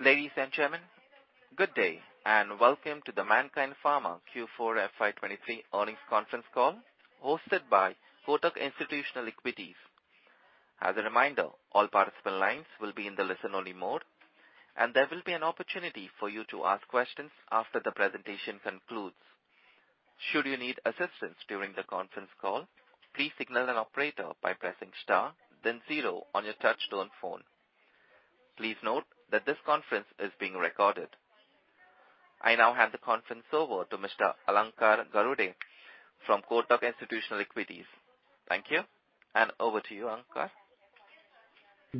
Ladies and gentlemen, good day, welcome to the Mankind Pharma Q4 FY 2023 earnings conference call, hosted by Kotak Institutional Equities. As a reminder, all participant lines will be in the listen-only mode, there will be an opportunity for you to ask questions after the presentation concludes. Should you need assistance during the conference call, please signal an operator by pressing star then zero on your touchtone phone. Please note that this conference is being recorded. I now hand the conference over to Mr. Alankar Garude from Kotak Institutional Equities. Thank you, over to you, Alankar.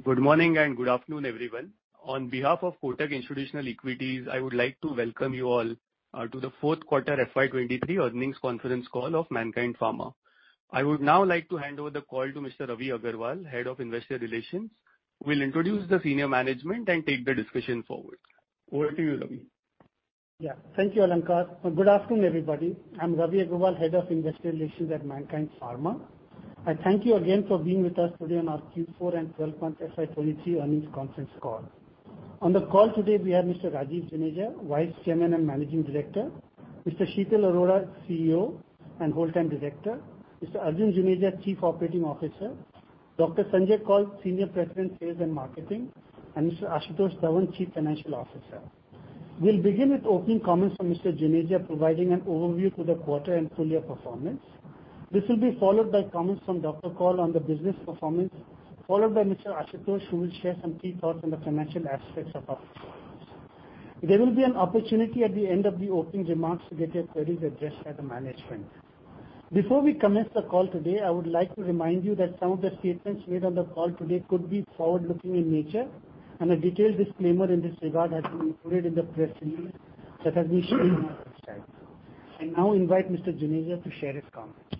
Good morning and good afternoon, everyone. On behalf of Kotak Institutional Equities, I would like to welcome you all to the Q4 FY 2023 earnings conference call of Mankind Pharma. I would now like to hand over the call to Mr. Ravi Aggarwal, Head of Investor Relations, who will introduce the senior management and take the discussion forward. Over to you, Ravi. Yeah. Thank you, Alankar. Good afternoon, everybody. I'm Ravi Aggarwal, Head of Investor Relations at Mankind Pharma. I thank you again for being with us today on our Q4 and 12-month FY 2023 earnings conference call. On the call today, we have Mr. Rajeev Juneja, Vice Chairman and Managing Director, Mr. Sheetal Arora, CEO and Whole Time Director, Mr. Arjun Juneja, Chief Operating Officer, Dr. Sanjay Koul, Senior President, Sales and Marketing, and Mr. Ashutosh Dhawan, Chief Financial Officer. We'll begin with opening comments from Mr. Juneja, providing an overview to the quarter and full year performance. This will be followed by comments from Dr. Koul on the business performance, followed by Mr. Ashutosh, who will share some key thoughts on the financial aspects of our performance. There will be an opportunity at the end of the opening remarks to get your queries addressed by the management. Before we commence the call today, I would like to remind you that some of the statements made on the call today could be forward-looking in nature. A detailed disclaimer in this regard has been included in the press release that has been shared on our website. I now invite Mr. Juneja to share his comments.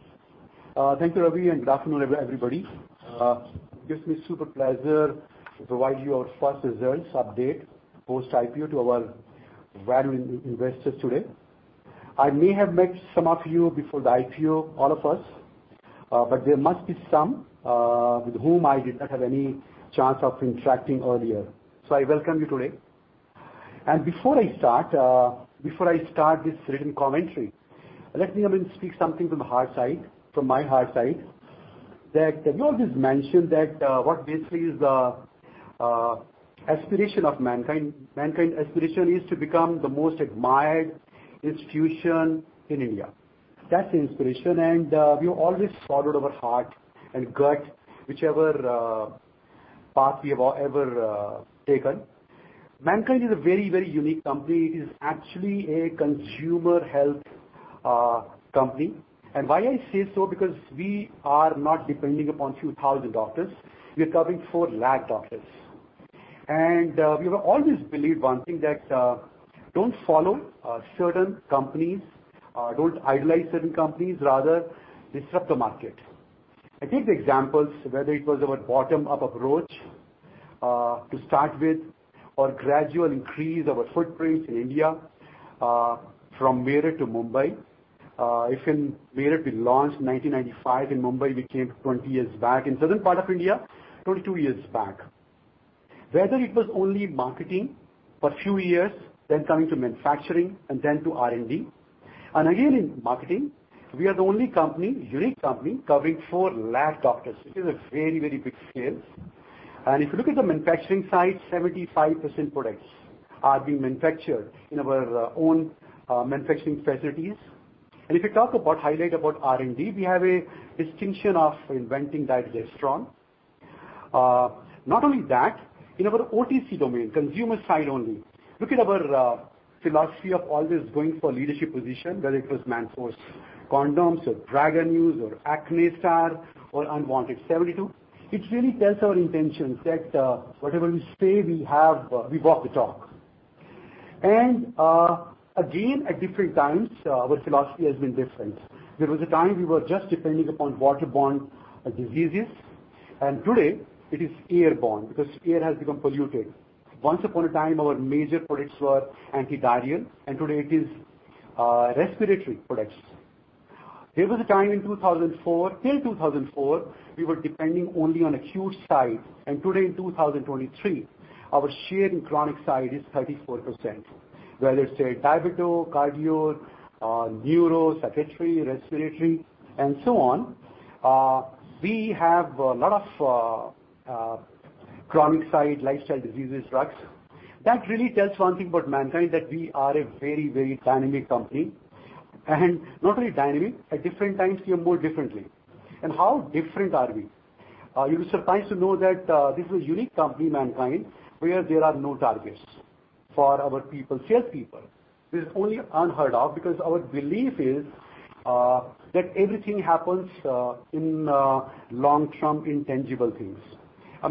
Thank you, Ravi, and good afternoon, everybody. It gives me super pleasure to provide you our first results update, post-IPO, to our valued investors today. I may have met some of you before the IPO, all of us, but there must be some with whom I did not have any chance of interacting earlier, so I welcome you today. And before I start, before I start this written commentary, let me, I mean, speak something from the heart side, from my heart side, that we always mention that what basically is the aspiration of Mankind. Mankind aspiration is to become the most admired institution in India. That's the inspiration, and we've always followed our heart and gut, whichever path we have ever taken. Mankind is a very, very unique company. It's actually a consumer health company. And why I say so? Because we are not depending upon 2,000 doctors, we are covering four lakh doctors. We've always believed one thing, that don't follow certain companies, don't idolize certain companies, rather disrupt the market. I take the examples, whether it was our bottom-up approach to start with or gradual increase our footprint in India from Meerut to Mumbai. If in Meerut, we launched in 1995, in Mumbai, we came 20 years back, in southern part of India, 22 years back. Whether it was only marketing for a few years, then coming to manufacturing and then to R&D. And again, in marketing, we are the only company, unique company, covering four lakh doctors, which is a very, very big scale. And if you look at the manufacturing side, 75% products are being manufactured in our own manufacturing facilities. If you talk about highlight about R&D, we have a distinction of inventing Dydrogesterone. Not only that, in our OTC domain, consumer side only, look at our philosophy of always going for leadership position, whether it was Manforce condoms or Prega News or AcneStar or Unwanted 72. It really tells our intentions that whatever we say we have, we walk the talk. And again, at different times, our philosophy has been different. There was a time we were just depending upon waterborne diseases, and today it is airborne because air has become polluted. Once upon a time, our major products were antidiarrheal, and today it is respiratory products. There was a time in 2004, till 2004, we were depending only on acute side, and today, in 2023, our share in chronic side is 34%. Whether, say, diabecto, cardio, neuro, psychiatry, respiratory, and so on, we have a lot of chronic side, lifestyle diseases drugs. That really tells one thing about Mankind, that we are a very, very dynamic company. Not only dynamic, at different times, we are more differently. And how different are we? You'll be surprised to know that, this is a unique company, Mankind, where there are no targets for our people, sales people. This is only unheard of, because our belief is, that everything happens in long-term, intangible things. I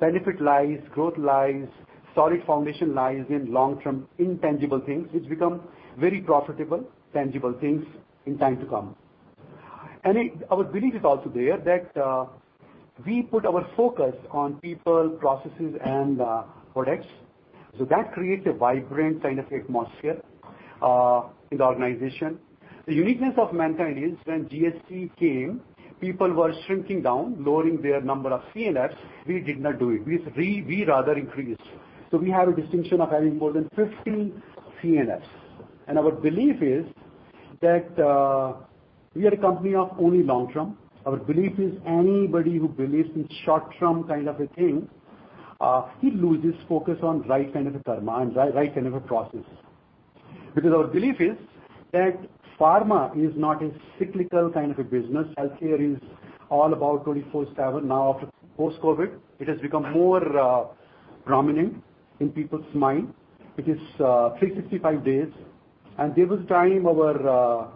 mean, benefit lies, growth lies, solid foundation lies in long-term, intangible things, which become very profitable, tangible things in time to come. And our belief is also there that we put our focus on people, processes, and products, so that creates a vibrant kind of atmosphere in the organization. The uniqueness of Mankind is when GST came, people were shrinking down, lowering their number of C&Fs. We did not do it. We rather increased. We have a distinction of having more than 50 C&Fs. And our belief is that we are a company of only long term. Our belief is anybody who believes in short-term kind of a thing, he loses focus on right kind of a karma and right kind of a process. Our belief is that pharma is not a cyclical kind of a business. Healthcare is all about 24/7. Now, after post-COVID-19, it has become more prominent in people's mind. It is 365 days. And there was time our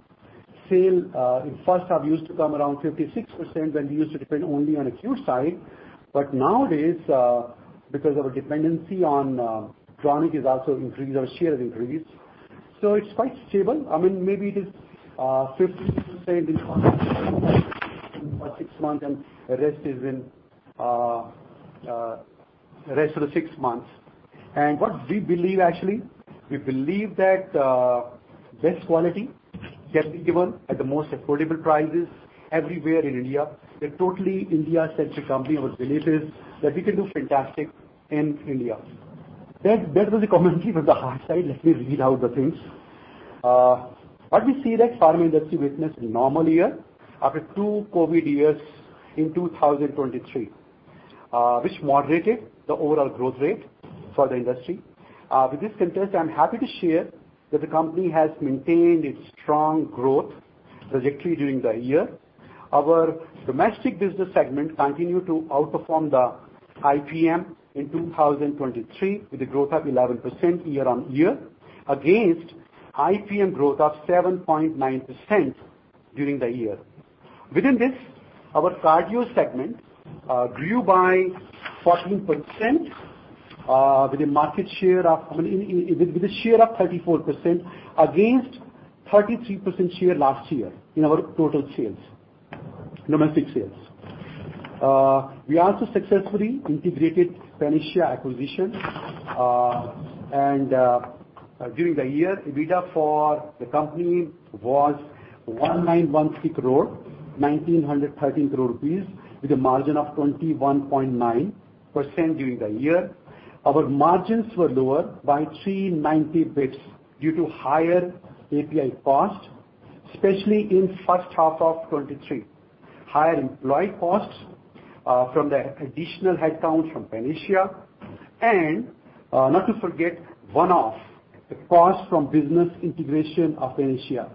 sale in first half used to come around 56%, when we used to depend only on acute side. Nowadays, because our dependency on chronic is also increased, our share has increased. It's quite stable. I mean, maybe it is 50% in the first six months, and the rest is in rest of the six months. What we believe, actually, we believe that best quality can be given at the most affordable prices everywhere in India. We're totally India-centric company. Our belief is that we can do fantastic in India. That, that was the commentary from the heart side. Let me read out the things. What we see that pharma industry witnessed a normal year after two COVID years in 2023, which moderated the overall growth rate for the industry. With this context, I'm happy to share that the company has maintained its strong growth trajectory during the year. Our domestic business segment continued to outperform the IPM in 2023, with a growth of 11% year-on-year, against IPM growth of 7.9% during the year. Within this, our cardio segment grew by 14%, I mean, with a share of 34%, against 33% share last year in our total sales, domestic sales. We also successfully integrated Panacea acquisition. And during the year, EBITDA for the company was 1,916 crores, 1,913 crores rupees, with a margin of 21.9% during the year. Our margins were lower by 390 basis points due to higher API costs, especially in first half of 2023. Higher employee costs from the additional headcount from Panacea, not to forget, one-off, the costs from business integration of Panacea.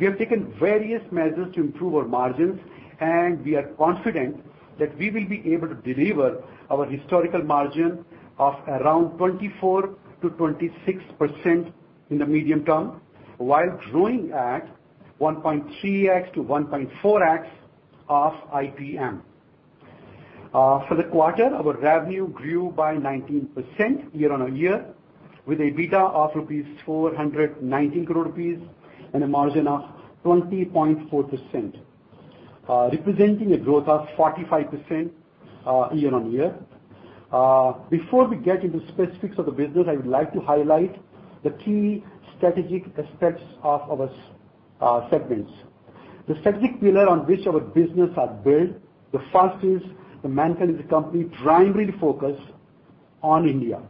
We have taken various measures to improve our margins, and we are confident that we will be able to deliver our historical margin of around 24%-26% in the medium term, while growing at 1.3x-1.4x of IPM. For the quarter, our revenue grew by 19% year-on-year, with a EBITDA of 490 crores rupees and a margin of 20.4%, representing a growth of 45% year-on-year. Before we get into specifics of the business, I would like to highlight the key strategic aspects of our segments. The strategic pillar on which our business are built, the first is the Mankind is a company primarily focused on India.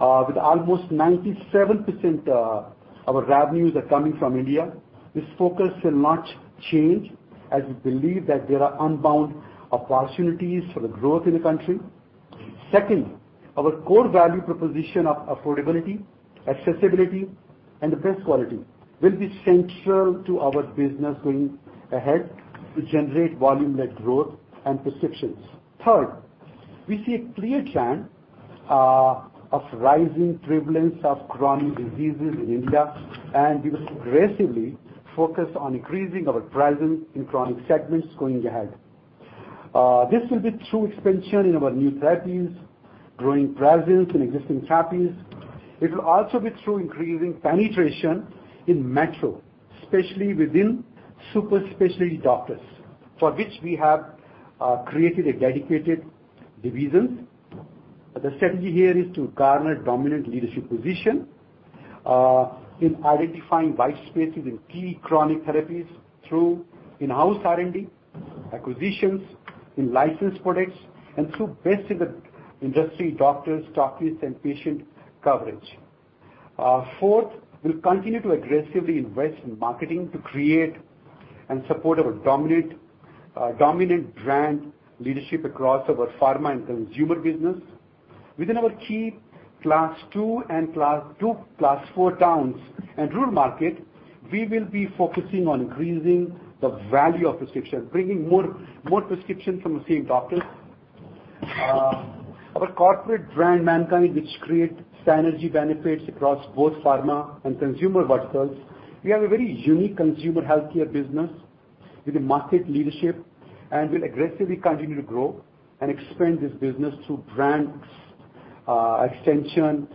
With almost 97%, our revenues are coming from India. This focus will not change, as we believe that there are unbound opportunities for the growth in the country. Second, our core value proposition of affordability, accessibility, and the best quality will be central to our business going ahead to generate volume-led growth and prescriptions. Third, we see a clear chance of rising prevalence of chronic diseases in India. And we will aggressively focus on increasing our presence in chronic segments going ahead. This will be through expansion in our new therapies, growing presence in existing therapies. It will also be through increasing penetration in metro, especially within super specialty doctors, for which we have created a dedicated division. The strategy here is to garner dominant leadership position in identifying white spaces in key chronic therapies through in-house R&D, acquisitions in licensed products, and through best in the industry doctors, stockists, and patient coverage. Fourth, we'll continue to aggressively invest in marketing to create and support our dominant brand leadership across our pharma and consumer business. Within our key Class 2 and Class 4 towns and rural market, we will be focusing on increasing the value of prescription, bringing more prescription from the same doctors. Our corporate brand, Mankind, which creates synergy benefits across both pharma and consumer verticals. We have a very unique consumer healthcare business with a market leadership, and we'll aggressively continue to grow and expand this business through brands, extension,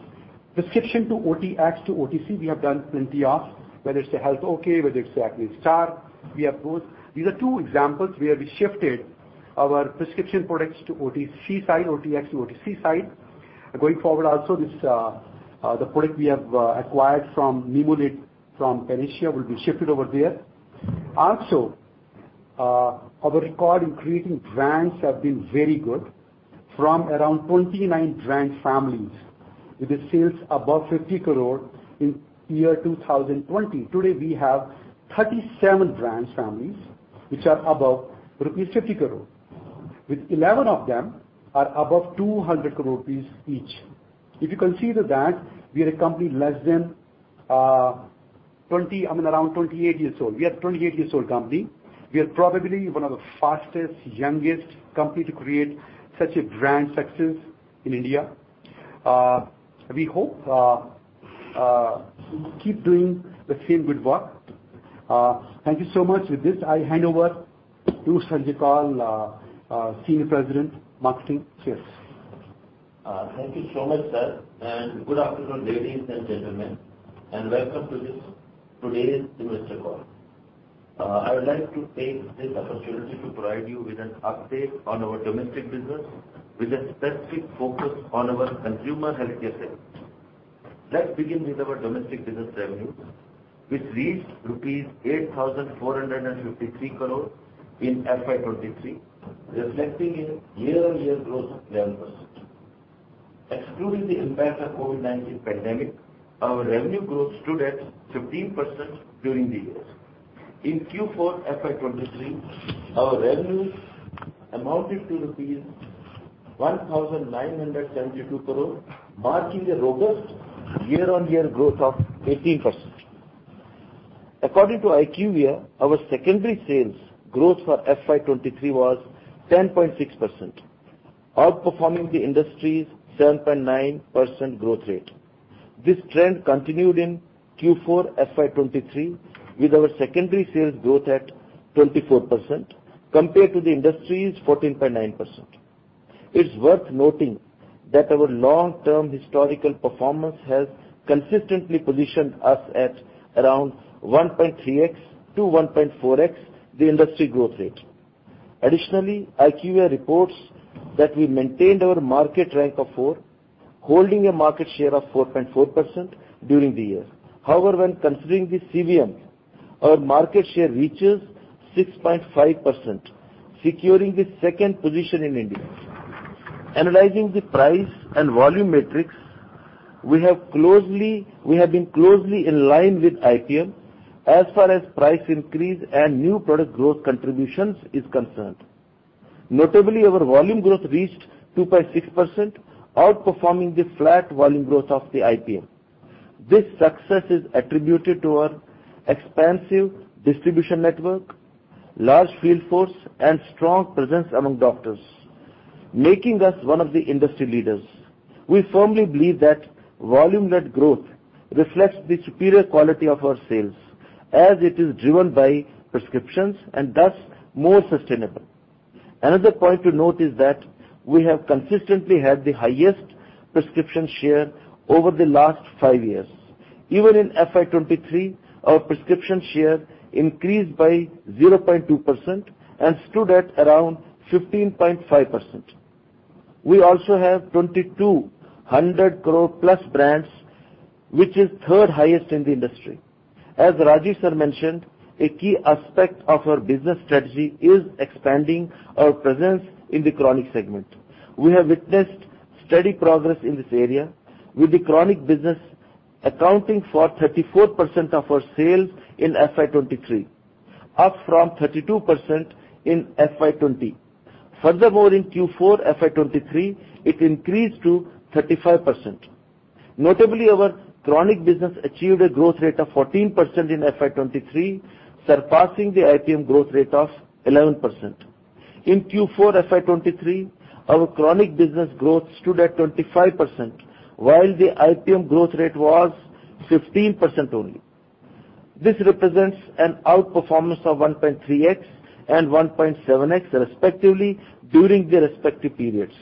prescription to OTX, to OTC, we have done plenty of. Whether it's a HealthOK, whether it's the AcneStar, we have both. These are two examples where we shifted our prescription products to OTC side, OTX to OTC side. Going forward also, this, the product we have acquired from Nimodit, from Panacea, will be shifted over there. Also, our record in creating brands have been very good. From around 29 brand families, with the sales above 50 crores in 2020. Today, we have 37 brand families, which are above rupees 50 crores, with 11 of them are above 200 crores rupees each. If you consider that, we are a company less than, I mean, around 28 years old. We are 28 years old company. We are probably one of the fastest, youngest company to create such a brand success in India. We hope keep doing the same good work. Thank you so much. With this, I hand over to Sanjay Koul, our Senior President, Marketing. Cheers. Thank you so much, sir, and good afternoon, ladies and gentlemen, welcome to today's investor call. I would like to take this opportunity to provide you with an update on our domestic business, with a specific focus on our consumer healthcare segment. Let's begin with our domestic business revenue, which reached rupees 8,453 crores in FY 2023, reflecting a year-on-year growth of 11%. Excluding the impact of COVID-19 pandemic, our revenue growth stood at 15% during the year. In Q4 FY 2023, our revenues amounted to rupees 1,972 crores, marking a robust year-on-year growth of 18%. According to IQVIA, our secondary sales growth for FY 2023 was 10.6%, outperforming the industry's 7.9% growth rate. This trend continued in Q4 FY 2023, with our secondary sales growth at 24% compared to the industry's 14.9%. It's worth noting that our long-term historical performance has consistently positioned us at around 1.3x to 1.4x the industry growth rate. IQVIA reports that we maintained our market rank of four, holding a market share of 4.4% during the year. When considering the CVM, our market share reaches 6.5%, securing the second position in India. Analyzing the price and volume metrics, we have been closely in line with IPM, as far as price increase and new product growth contributions is concerned. Notably, our volume growth reached 2.6%, outperforming the flat volume growth of the IPM. This success is attributed to our expansive distribution network, large field force, and strong presence among doctors, making us one of the industry leaders. We firmly believe that volume-led growth reflects the superior quality of our sales, as it is driven by prescriptions and thus more sustainable. Another point to note is that we have consistently had the highest prescription share over the last five years. Even in FY 2023, our prescription share increased by 0.2% and stood at around 15.5%. We also have 2,200 crores-plus brands, which is third highest in the industry. As Rajiv sir mentioned, a key aspect of our business strategy is expanding our presence in the chronic segment. We have witnessed steady progress in this area, with the chronic business accounting for 34% of our sales in FY 2023, up from 32% in FY 2020. Furthermore, in Q4 FY 2023, it increased to 35%. Notably, our chronic business achieved a growth rate of 14% in FY 2023, surpassing the IPM growth rate of 11%. In Q4 FY 2023, our chronic business growth stood at 25%, while the IPM growth rate was 15% only. This represents an outperformance of 1.3x and 1.7x, respectively, during the respective periods.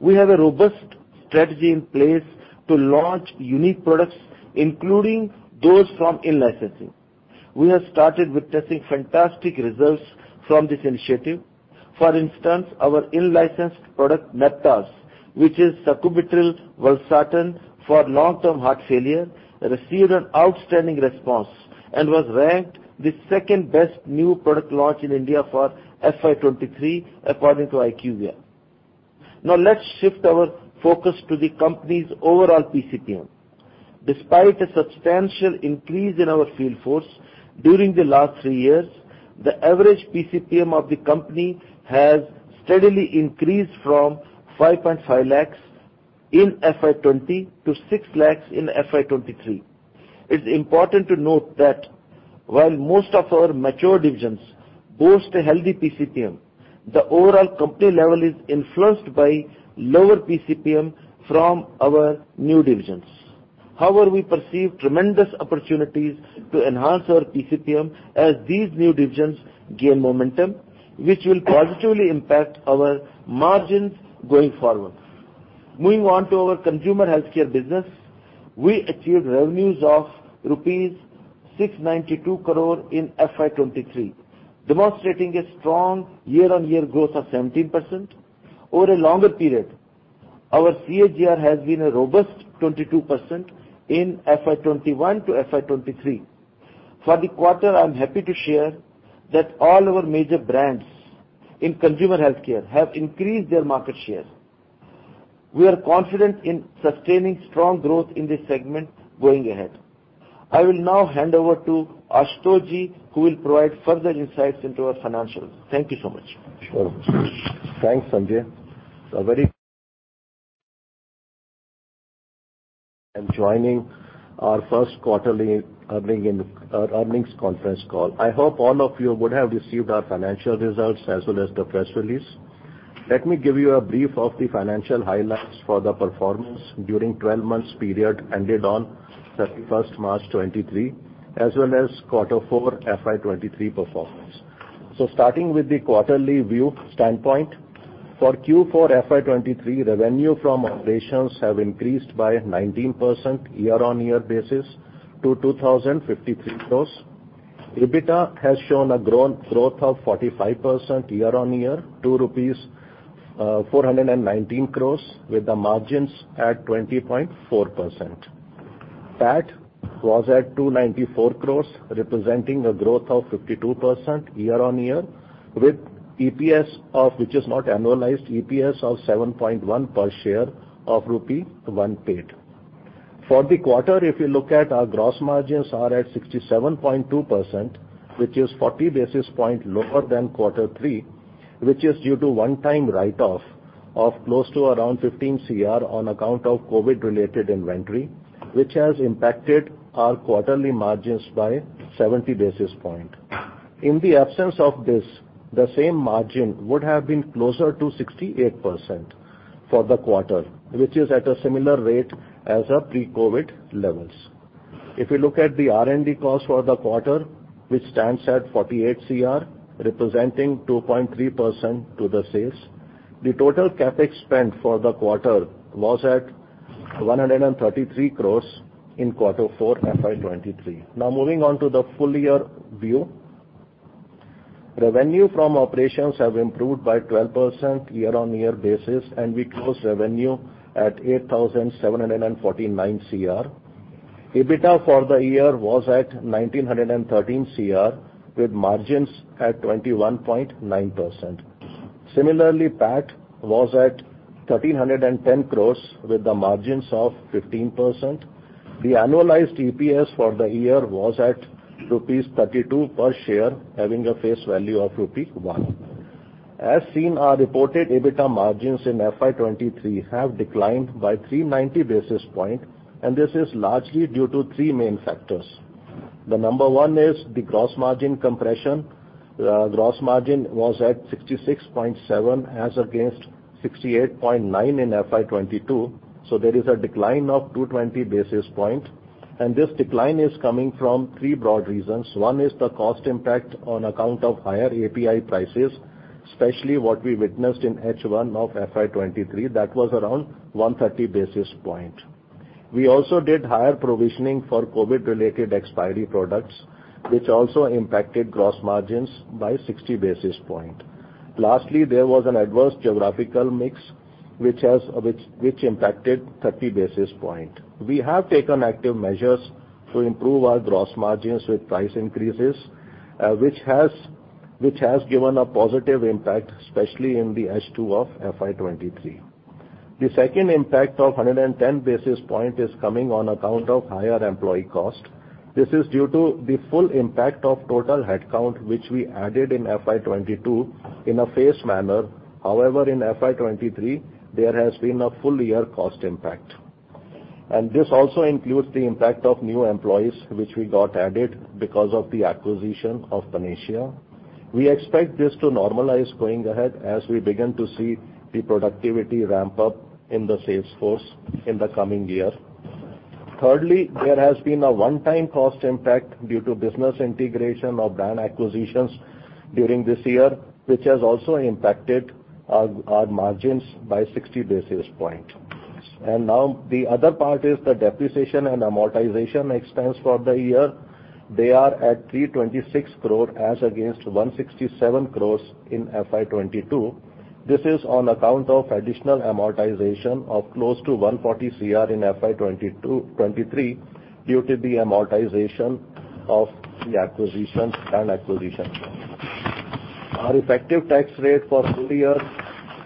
We have a robust strategy in place to launch unique products, including those from in-licensing. We have started witnessing fantastic results from this initiative. For instance, our in-licensed product, Neptaz, which is Sacubitril-Valsartan for long-term heart failure, received an outstanding response and was ranked the second-best new product launch in India for FY 2023, according to IQVIA. Now, let's shift our focus to the company's overall PCPM. Despite a substantial increase in our field force during the last three years, the average PCPM of the company has steadily increased from 5.5 lakhs in FY 2020 to six lakhs in FY 2023. It's important to note that while most of our mature divisions boast a healthy PCPM, the overall company level is influenced by lower PCPM from our new divisions. However, we perceive tremendous opportunities to enhance our PCPM as these new divisions gain momentum, which will positively impact our margins going forward. Moving on to our consumer healthcare business, we achieved revenues of rupees 692 crores in FY 2023, demonstrating a strong year-on-year growth of 17%. Over a longer period, our CAGR has been a robust 22% in FY 2021 to FY 2023. For the quarter, I'm happy to share that all our major brands in consumer healthcare have increased their market share. We are confident in sustaining strong growth in this segment going ahead. I will now hand over to Ashutosh ji, who will provide further insights into our financials. Thank you so much. Sure. Thanks, Sanjay. A very -- and joining our first quarterly earning in earnings conference call. I hope all of you would have received our financial results as well as the press release. Let me give you a brief of the financial highlights for the performance during 12 months period, ended on March 31st 2023, as well as Q4 FY 2023 performance. So, starting with the quarterly view standpoint, for Q4 FY 2023, revenue from operations have increased by 19% year-on-year basis to 2,053 crores. EBITDA has shown a growth of 45% year-on-year, to rupees 419 crores, with the margins at 20.4%. PAT was at 294 crores, representing a growth of 52% year-on-year, with EPS of, which is not annualized, 7.1 per share of Re. 1 paid. For the quarter, if you look at our gross margins are at 67.2%, which is 40 basis point lower than quarter three, which is due to one-time write-off of close to around 15 crores on account of COVID-related inventory, which has impacted our quarterly margins by 70 basis point. In the absence of this, the same margin would have been closer to 68% for the quarter, which is at a similar rate as our pre-COVID levels. If you look at the R&D costs for the quarter, which stands at 48 crores, representing 2.3% to the sales, the total CapEx spend for the quarter was at 133 crores in quarter four, FY 2023. Now moving on to the full year view. Revenue from operations have improved by 12% year-on-year basis. We closed revenue at 8,749 crores. EBITDA for the year was at 1,913 crores, with margins at 21.9%. Similarly, PAT was at 1,310 crores, with the margins of 15%. The annualized EPS for the year was at 32 rupees per share, having a face value of Re. 1. As seen, our reported EBITDA margins in FY 2023 have declined by 390 basis points. This is largely due to three main factors. The number one is the gross margin compression. Gross margin was at 66.7%, as against 68.9% in FY22. There is a decline of 220 basis points. And this decline is coming from three broad reasons. One is the cost impact on account of higher API prices, especially what we witnessed in H1 of FY 2023. That was around 130 basis points. We also did higher provisioning for COVID-related expiry products, which also impacted gross margins by 60 basis points. Lastly, there was an adverse geographical mix, which has, which impacted 30 basis points. We have taken active measures to improve our gross margins with price increases, which has given a positive impact, especially in the H2 of FY 2023. The second impact of 110 basis points is coming on account of higher employee cost. This is due to the full impact of total headcount, which we added in FY 2022 in a phased manner. However, in FY 2023, there has been a full year cost impact. And this also includes the impact of new employees, which we got added because of the acquisition of Panacea. We expect this to normalize going ahead, as we begin to see the productivity ramp up in the sales force in the coming year. Thirdly, there has been a one-time cost impact due to business integration of brand acquisitions during this year, which has also impacted our margins by 60 basis points. And now, the other part is the depreciation and amortization expense for the year. They are at 326 crores, as against 167 crores in FY 2022. This is on account of additional amortization of close to 140 crores in FY 2022-2023, due to the amortization of the acquisitions and acquisition. Our effective tax rate for full year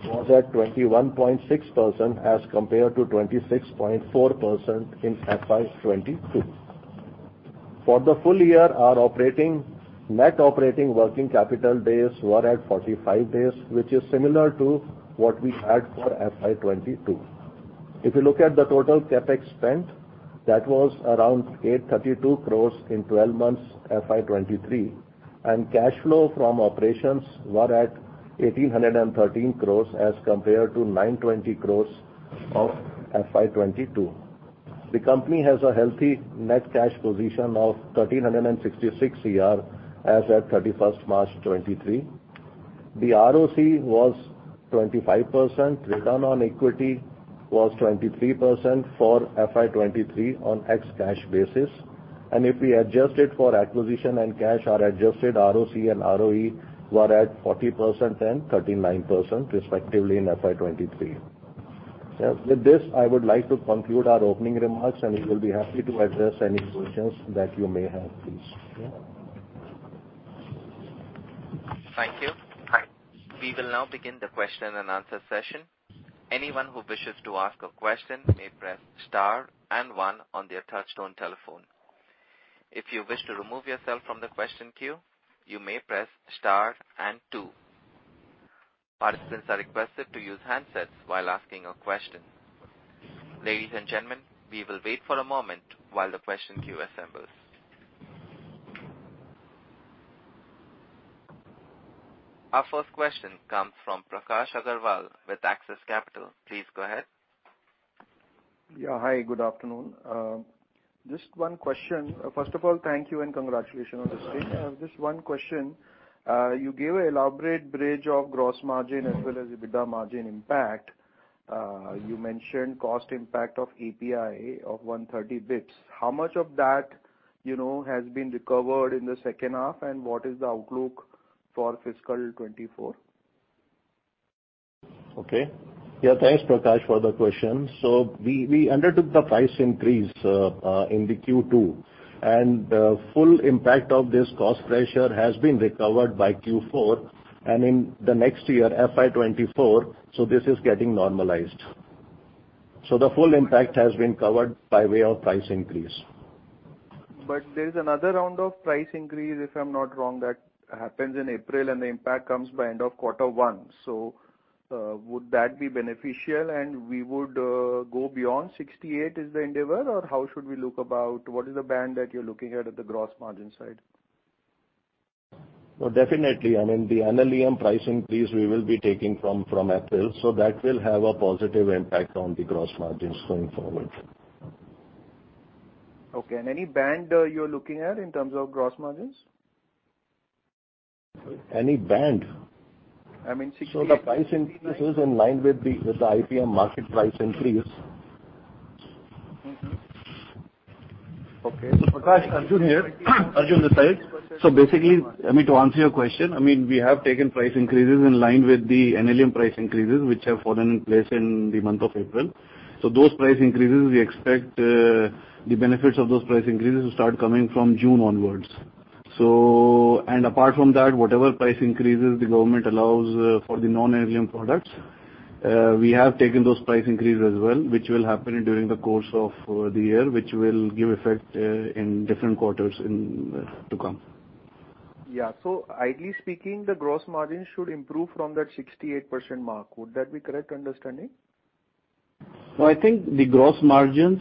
was at 21.6%, as compared to 26.4% in FY 2022. For the full year, our net operating working capital days were at 45 days, which is similar to what we had for FY 2022. If you look at the total CapEx spent, that was around 832 crores in 12 months, FY 2023, and cash flow from operations were at 1,813 crores, as compared to 920 crores of FY 2022. The company has a healthy net cash position of 1,366 CR, as at March 31, 2023. The ROC was 25%, return on equity was 23% for FY 2023 on ex cash basis. If we adjust it for acquisition and cash, our adjusted ROC and ROE were at 40% and 39% respectively in FY 2023. Yeah, with this, I would like to conclude our opening remarks, and we will be happy to address any questions that you may have, please. Thank you. We will now begin the question and answer session. Anyone who wishes to ask a question may press star and one on their touchtone telephone. If you wish to remove yourself from the question queue, you may press star and two. Participants are requested to use handsets while asking a question. Ladies and gentlemen, we will wait for a moment while the question queue assembles. Our first question comes from Prakash Agarwal with Axis Capital. Please go ahead. Yeah. Hi, good afternoon. Just one question. First of all, thank you and congratulations on this day. Just one question. You gave an elaborate bridge of gross margin as well as EBITDA margin impact. You mentioned cost impact of API of 130 basis points. How much of that, you know, has been recovered in the second half, and what is the outlook for fiscal 2024? Okay. Yeah, thanks, Prakash, for the question. We undertook the price increase in the Q2, and the full impact of this cost pressure has been recovered by Q4 and in the next year, FY 2024, so this is getting normalized. So the full impact has been covered by way of price increase. But there is another round of price increase, if I'm not wrong, that happens in April, and the impact comes by end of quarter one. Would that be beneficial and we would go beyond 68, is the endeavor, or how should we look about what is the band that you're looking at at the gross margin side? Well, definitely, NLEM price increase we will be taking from April, that will have a positive impact on the gross margins going forward. Okay. Any band you're looking at in terms of gross margins? Any band? I mean. The price increase is in line with the IPM market price increase. Mm-hmm. Okay. Prakash, Arjun here. Arjun this side. So basically, I mean, to answer your question, I mean, we have taken price increases in line with the NLEM price increases, which have fallen in place in the month of April. So those price increases, we expect the benefits of those price increases to start coming from June onwards. And apart from that, whatever price increases the government allows for the non-NLEM products, we have taken those price increases as well, which will happen during the course of the year, which will give effect in different quarters in to come. Yeah. So, ideally speaking, the gross margin should improve from that 68% mark. Would that be correct understanding? Well, I think the gross margins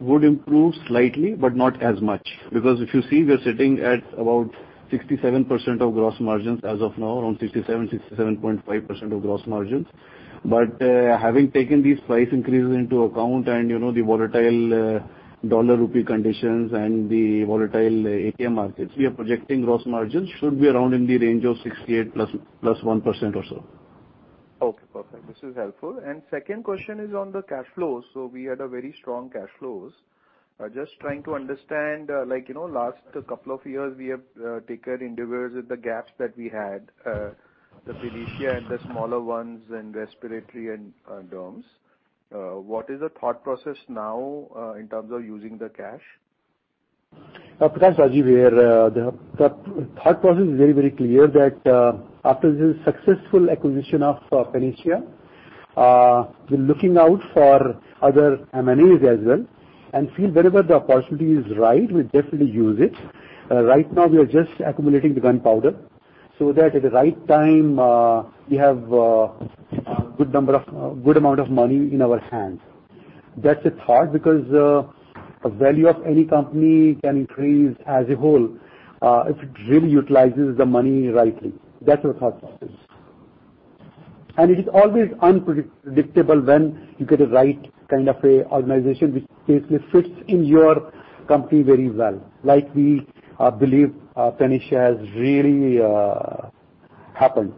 would improve slightly, but not as much. If you see, we are sitting at about 67% of gross margins as of now, around 67%, 67.5% of gross margins. But having taken these price increases into account and, you know, the volatile dollar rupee conditions and the volatile API markets, we are projecting gross margins should be around in the range of 68% plus 1% or so. Okay, perfect. This is helpful. And second question is on the cash flows. So we had a very strong cash flows. I'm just trying to understand, like, you know, last couple of years, we have taken endeavors with the gaps that we had, the Panacea and the smaller ones and respiratory and, derms. What is the thought process now, in terms of using the cash? Prakash, Rajeev here. The thought process is very, very clear that after the successful acquisition of Panacea, we're looking out for other M&As as well, and feel wherever the opportunity is right, we'll definitely use it. Right now we are just accumulating the gunpowder so that at the right time, we have a good number of good amount of money in our hands. That's the thought, because the value of any company can increase as a whole, if it really utilizes the money rightly. That's our thought process. And it is always unpredictable when you get the right kind of a organization, which basically fits in your company very well, like we believe Panacea has really happened.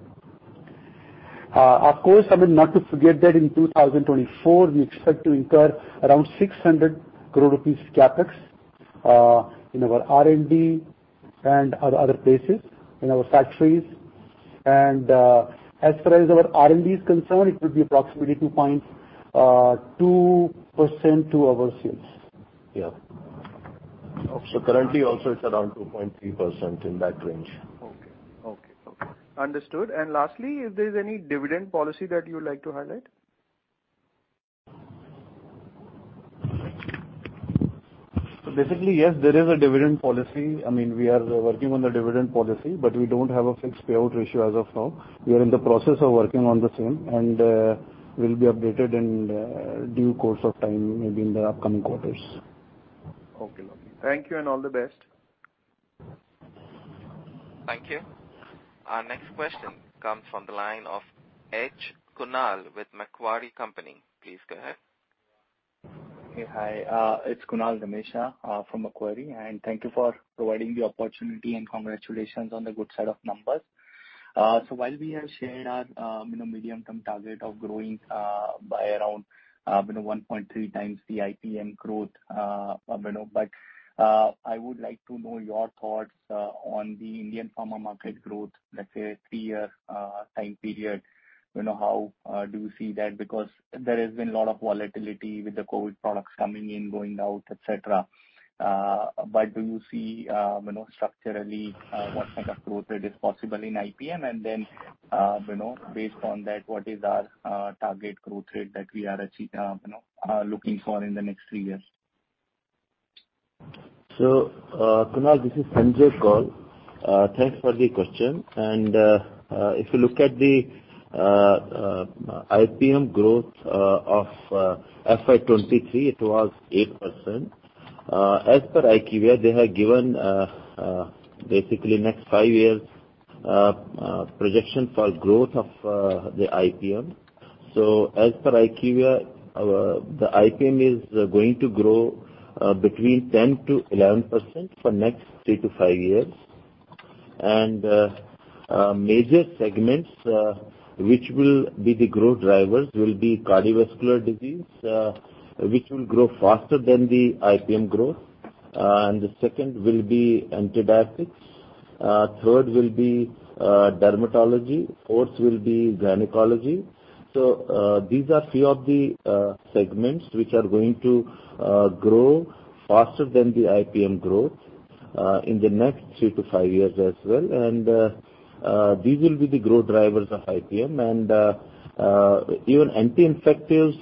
Of course, I mean, not to forget that in 2024, we expect to incur around 600 crores rupees CapEx, in our R&D and other places, in our factories. And as far as our R&D is concerned, it will be approximately 2.2% to our sales. Yeah. So currently, also, it's around 2.3%, in that range. Okay. Okay, okay. Understood. And lastly, if there's any dividend policy that you would like to highlight? Basically, yes, there is a dividend policy. I mean, we are working on the dividend policy, we don't have a fixed payout ratio as of now. We are in the process of working on the same, we'll be updated in due course of time, maybe in the upcoming quarters. Okay. Thank you and all the best. Thank you. Our next question comes from the line of H. Kunal with Macquarie Company. Please go ahead. Hey, hi, it's Kunal Dhamesha from Macquarie. Thank you for providing the opportunity, and congratulations on the good set of numbers. So, while we have shared our, you know, medium-term target of growing by around, you know, 1.3x the IPM growth, you know, I would like to know your thoughts on the Indian pharma market growth, let's say, three-year time period. You know, how do you see that? There has been a lot of volatility with the COVID products coming in, going out, et cetera. Do you see, you know, structurally, what type of growth rate is possible in IPM? Then, you know, based on that, what is our target growth rate that we are you know, looking for in the next three years? Kunal, this is Sanjay Koul. Thanks for the question. And if you look at the IPM growth of FY 2023, it was 8%. As per IQVIA, they have given basically next five years projection for growth of the IPM. As per IQVIA, the IPM is going to grow between 10%-11% for next 3-5 years. Major segments which will be the growth drivers will be cardiovascular disease, which will grow faster than the IPM growth, and the second will be antibiotics, third will be dermatology, fourth will be gynecology. These are few of the segments which are going to grow faster than the IPM growth in the next 3-5 years as well. And these will be the growth drivers of IPM and even anti-infectives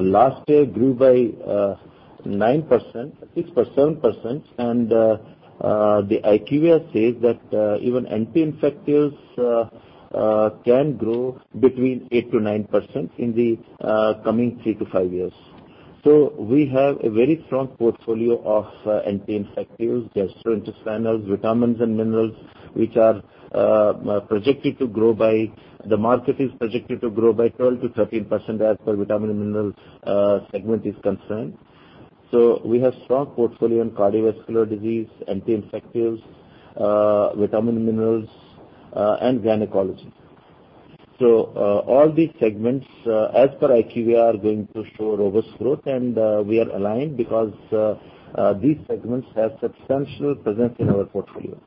last year grew by 6% or 7%. The IQVIA says that even anti-infectives can grow between 8%-9% in the coming 3-5 years. So we have a very strong portfolio of anti-infectives, gastrointestinal, vitamins and minerals. The market is projected to grow by 12%-13%, as per vitamin and mineral segment is concerned. So we have strong portfolio in cardiovascular disease, anti-infectives, vitamin and minerals, and gynecology. All these segments, as per IQVIA, are going to show robust growth, and we are aligned because these segments have substantial presence in our portfolio.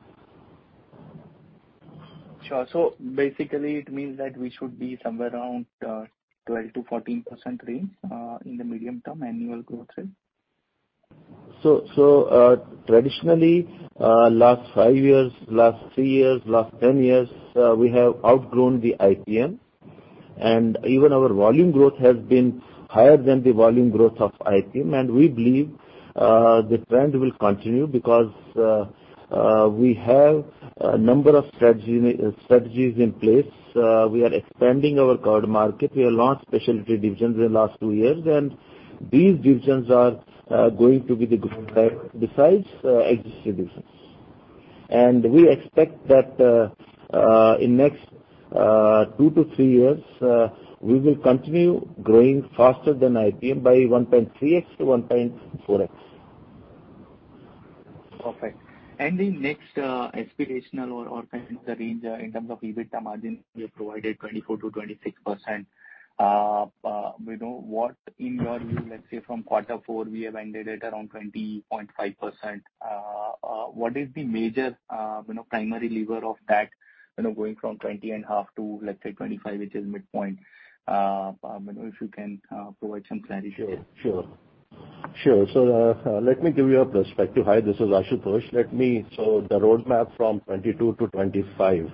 Sure. So basically, it means that we should be somewhere around 12%-14% range in the medium-term annual growth rate? So traditionally, last five years, last three years, last 10 years, we have outgrown the IPM, and even our volume growth has been higher than the volume growth of IPM. And we believe the trend will continue because we have a number of strategies in place. We are expanding our current market. We have launched specialty divisions in the last two years, and these divisions are going to be the growth driver, besides existing divisions. And we expect that in next two to three years, we will continue growing faster than IPM by 1.3x to 1.4x. Perfect. And the next aspirational or kind of the range in terms of EBITDA margin, you provided 24%-26%. We know what in your view, let's say from Q4, we have ended at around 20.5%. What is the major, you know, primary lever of that, you know, going from 20.5 to, let's say, 25, which is midpoint? You know, if you can provide some clarity. Sure, sure. Sure. Let me give you a perspective. Hi, this is Ashutosh. The roadmap from 2022-2025.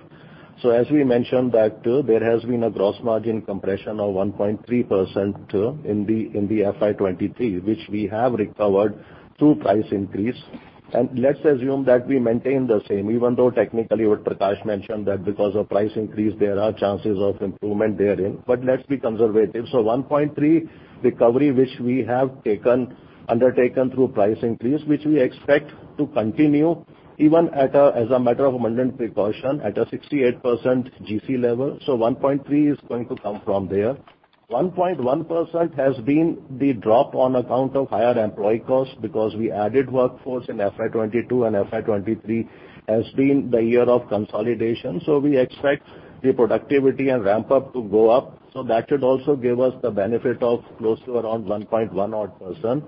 So as we mentioned that there has been a gross margin compression of 1.3% in the FY 2023, which we have recovered through price increase. And let's assume that we maintain the same, even though technically what Prakash mentioned, that because of price increase, there are chances of improvement therein, but let's be conservative. 1.3% recovery, which we have undertaken through price increase, which we expect to continue even as a matter of abundant precaution, at a 68% GC level. So 1.3% is going to come from there. 1.1% has been the drop on account of higher employee costs, because we added workforce in FY 2022. FY 2023 has been the year of consolidation. So we expect the productivity and ramp up to go up. That should also give us the benefit of close to around 1.1%.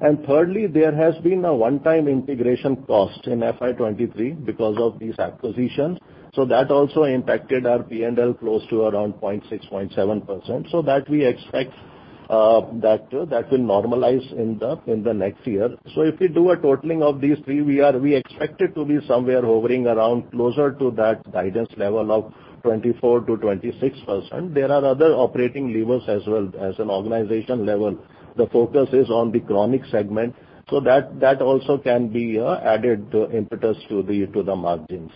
Thirdly, there has been a one-time integration cost in FY 2023 because of these acquisitions. That also impacted our P&L close to around 0.6%-0.7%. That we expect that will normalize in the next year. So if we do a totaling of these three, we expect it to be somewhere hovering around closer to that guidance level of 24%-26%. There are other operating levers as well. As an organization level, the focus is on the chronic segment, so that also can be added impetus to the margins.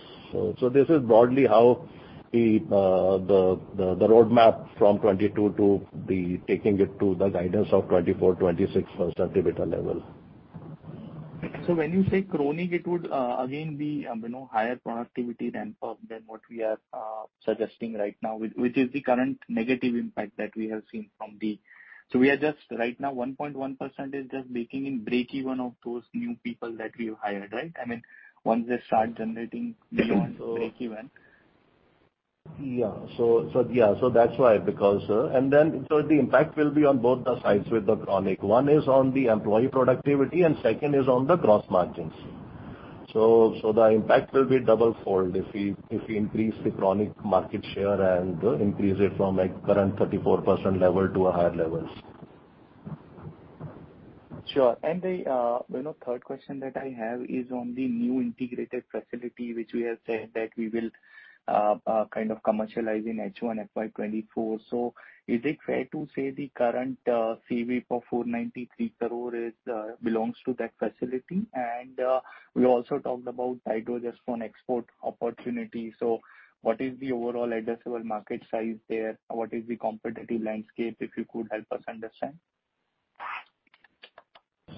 So this is broadly how the roadmap from 22 to the taking it to the guidance of 24%-26% EBITDA level. So when you say chronic, it would again be, you know, higher productivity than what we are suggesting right now, which is the current negative impact that we have seen. We are just right now, 1.1% is just making in breakeven of those new people that we've hired, right? I mean, once they start generating business breakeven. Yeah. So that's why, because the impact will be on both the sides with the chronic. One is on the employee productivity, and second is on the gross margins. So the impact will be double-fold if we increase the chronic market share and increase it from, like, current 34% level to a higher levels. Sure. And third question that I have is on the new integrated facility, which we have said that we will, kind of commercialize in H1 FY 2024. Is it fair to say the current CWIP of 493 crores is, belongs to that facility? We also talked about dydrogesterone export opportunity. So what is the overall addressable market size there? What is the competitive landscape, if you could help us understand?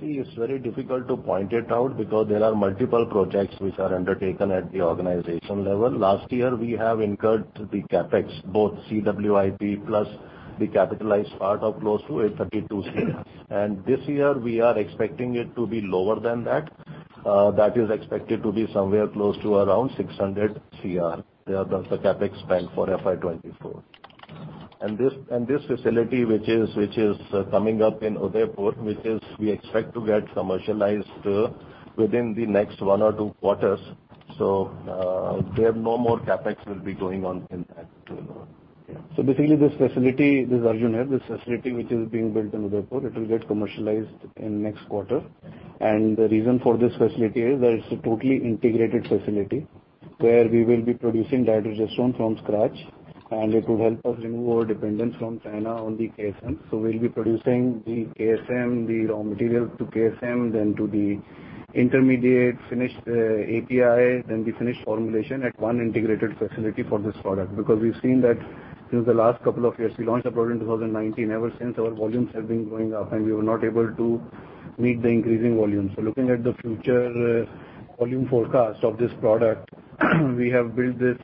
See, it's very difficult to point it out, because there are multiple projects which are undertaken at the organization level. Last year, we have incurred the CapEx, both CWIP plus the capitalized part of close to 832 crores. And this year, we are expecting it to be lower than that. That is expected to be somewhere close to around 600 crores. They are the CapEx spend for FY 2024. And this facility, which is coming up in Udaipur, which is we expect to get commercialized within the next one or two quarters, there are no more CapEx will be going on in that too. So basically, this facility, this Arjun here, this facility which is being built in Udaipur, it will get commercialized in next quarter. And the reason for this facility is that it's a totally integrated facility, where we will be producing dydrogesterone from scratch, and it will help us remove our dependence from China on the KSM. So we'll be producing the KSM, the raw material to KSM, then to the intermediate, finished API, then the finished formulation at one integrated facility for this product. We've seen that through the last couple of years, we launched a product in 2019, ever since, our volumes have been going up, and we were not able to meet the increasing volumes. So looking at the future, volume forecast of this product, we have built this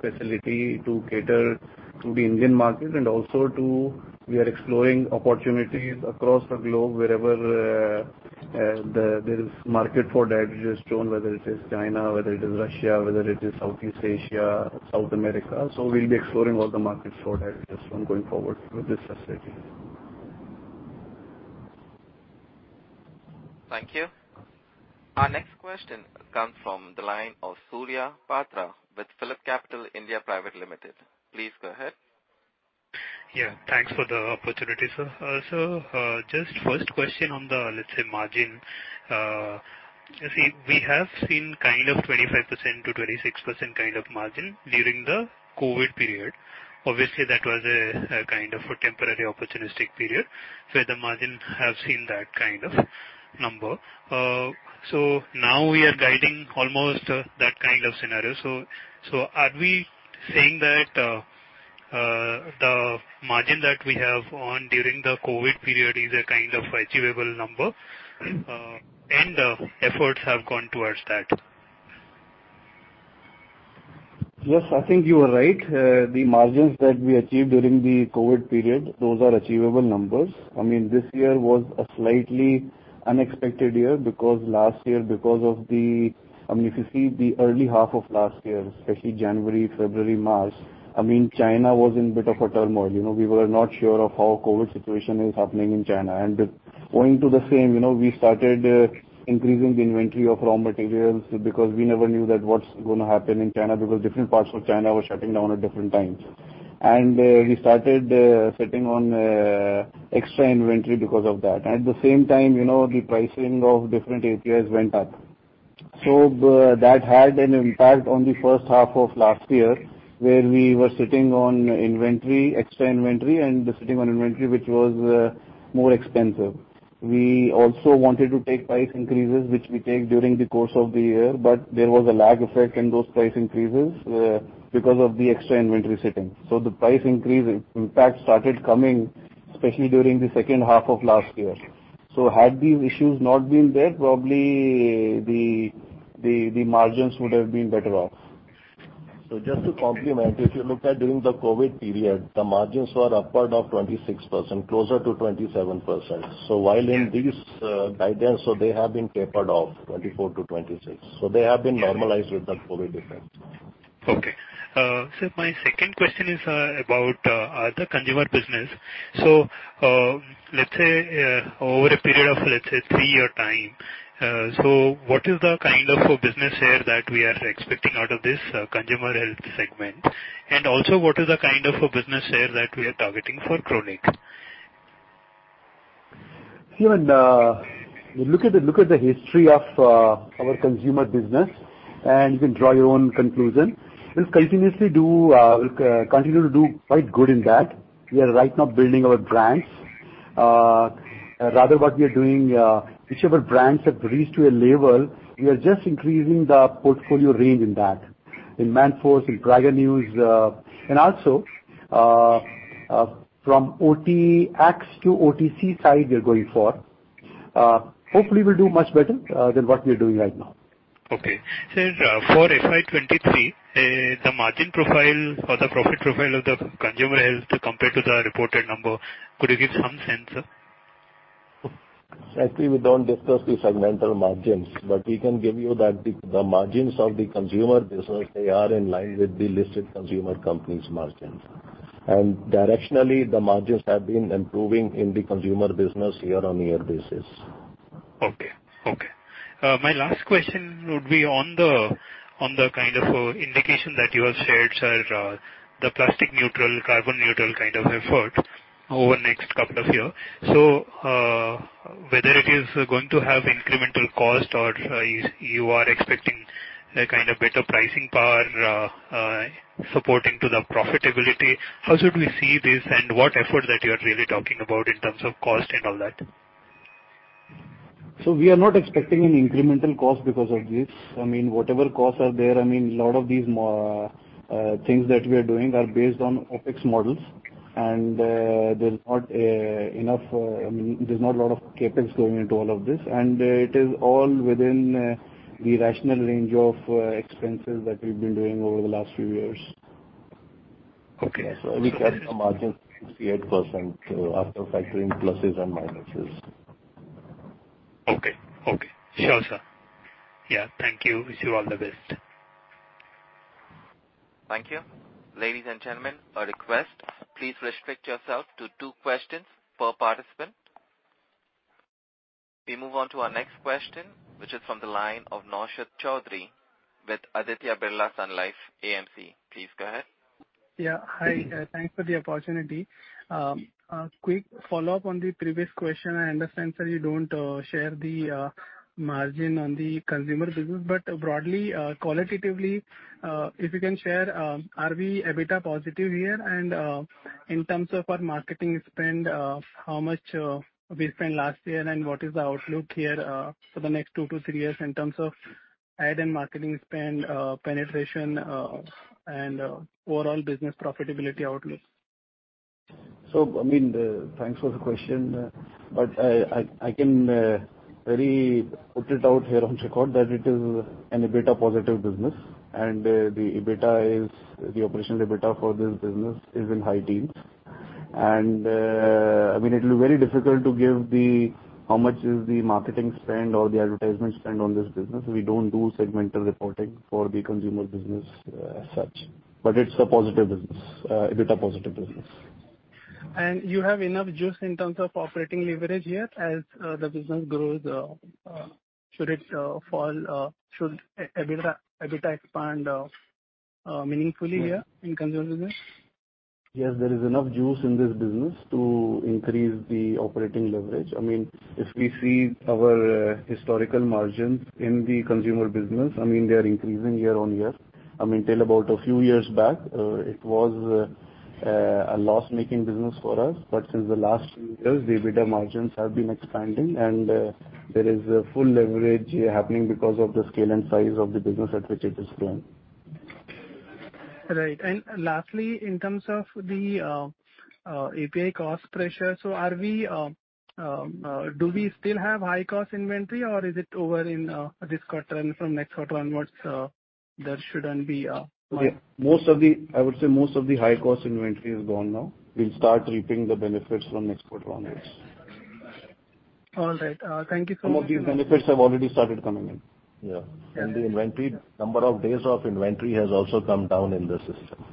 facility to cater to the Indian market and also to... We are exploring opportunities across the globe, wherever, there is market for dydrogesterone, whether it is China, whether it is Russia, whether it is Southeast Asia, South America. We'll be exploring all the markets for dydrogesterone going forward with this facility. Thank you. Our next question comes from the line of Surya Patra with PhillipCapital (India) Private Limited. Please go ahead. Yes, thanks for the opportunity, sir. Sir, just first question on the, let's say, margin. See, we have seen kind of 25%-26% kind of margin during the COVID period. Obviously, that was a kind of a temporary opportunistic period, where the margin have seen that kind of number. So now we are guiding almost that kind of scenario. So, are we saying that the margin that we have on during the COVID period is a kind of achievable number, and efforts have gone towards that Yes, I think you are right. The margins that we achieved during the COVID period, those are achievable numbers. I mean, this year was a slightly unexpected year because last year, because of the... I mean, if you see the early half of last year, especially January, February, March, I mean, China was in bit of a turmoil. You know, we were not sure of how COVID situation is happening in China. And going to the same, you know, we started increasing the inventory of raw materials because we never knew that what's going to happen in China, because different parts of China were shutting down at different times. We started sitting on extra inventory because of that. At the same time, you know, the pricing of different APIs went up. So that had an impact on the first half of last year, where we were sitting on inventory, extra inventory, and sitting on inventory, which was more expensive. We also wanted to take price increases, which we take during the course of the year, but there was a lag effect in those price increases because of the extra inventory sitting. So the price increase, in fact, started coming, especially during the second half of last year. Had these issues not been there, probably the margins would have been better off. So just to complement, if you look at during the COVID-19 period, the margins were upward of 26%, closer to 27%. While in this guidance, they have been tapered off 24%-26%, they have been normalized with the COVID-19 effect. Okay. Sir, my second question is about the consumer business. So let's say, over a period of, let's say, three-year time, what is the kind of a business share that we are expecting out of this consumer health segment? What is the kind of a business share that we are targeting for chronic? See when, you look at the, look at the history of, our consumer business, you can draw your own conclusion. We'll continuously do, we'll continue to do quite good in that. We are right now building our brands. Rather, what we are doing, whichever brands have reached to a level, we are just increasing the portfolio range in that. In Manforce, in Prega News, and also, from OTX to OTC side, we are going for. Hopefully, we'll do much better than what we are doing right now. Okay. Sir, for FY 2023, the margin profile or the profit profile of the consumer health compared to the reported number, could you give some sense, sir? Actually, we don't discuss the segmental margins, but we can give you that the margins of the consumer business, they are in line with the listed consumer company's margins. And directionally, the margins have been improving in the consumer business year-on-year basis. Okay. Okay. My last question would be on the kind of indication that you have shared, sir, the plastic neutral, carbon neutral kind of effort over the next two years. So whether it is going to have incremental cost or you are expecting a kind of better pricing power, supporting to the profitability, how should we see this? What effort that you are really talking about in terms of cost and all that? We are not expecting any incremental cost because of this. I mean, whatever costs are there, I mean, a lot of these things that we are doing are based on OpEx models, and there's not enough... I mean, there's not a lot of CapEx going into all of this, and it is all within the rational range of expenses that we've been doing over the last few years. Okay. So we kept the margin 68%, after factoring pluses and minuses. Okay. Okay. Sure, sir. Yeah, thank you. Wish you all the best. Thank you. Ladies and gentlemen, a request. Please restrict yourself to two questions per participant. We move on to our next question, which is from the line of Naushad Chowdhury with Aditya Birla Sun Life AMC. Please go ahead. Yes. Hi. Thanks for the opportunity. A quick follow-up on the previous question. I understand, sir, you don't share the margin on the consumer business, but broadly, qualitatively, if you can share, are we EBITDA positive here? And in terms of our marketing spend, how much we spent last year, and what is the outlook here for the next two to three years in terms of ad and marketing spend, penetration, and overall business profitability outlook? I mean, thanks for the question, but I, I can very put it out here on record that it is an EBITDA-positive business, and the EBITDA is. The operational EBITDA for this business is in high teens. And I mean, it'll be very difficult to give the how much is the marketing spend or the advertisement spend on this business. We don't do segmental reporting for the consumer business as such, but it's a positive business, EBITDA-positive business. And you have enough juice in terms of operating leverage here as the business grows, should it fall, should EBITDA expand meaningfully here. Yes. In consumer business? Yes, there is enough juice in this business to increase the operating leverage. I mean, if we see our historical margins in the consumer business, I mean, they are increasing year-on-year. I mean, till about a few years back, it was a loss-making business for us. But since the last few years, the EBITDA margins have been expanding, and there is a full leverage here happening because of the scale and size of the business at which it is growing. Right. Lastly, in terms of the API cost pressure, do we still have high-cost inventory, or is it over in this quarter and from next quarter onwards, there shouldn't be? I would say most of the high-cost inventory is gone now. We'll start reaping the benefits from next quarter onwards. All right. Thank you so much, sir. Some of these benefits have already started coming in. Yeah, the inventory, number of days of inventory has also come down in the system.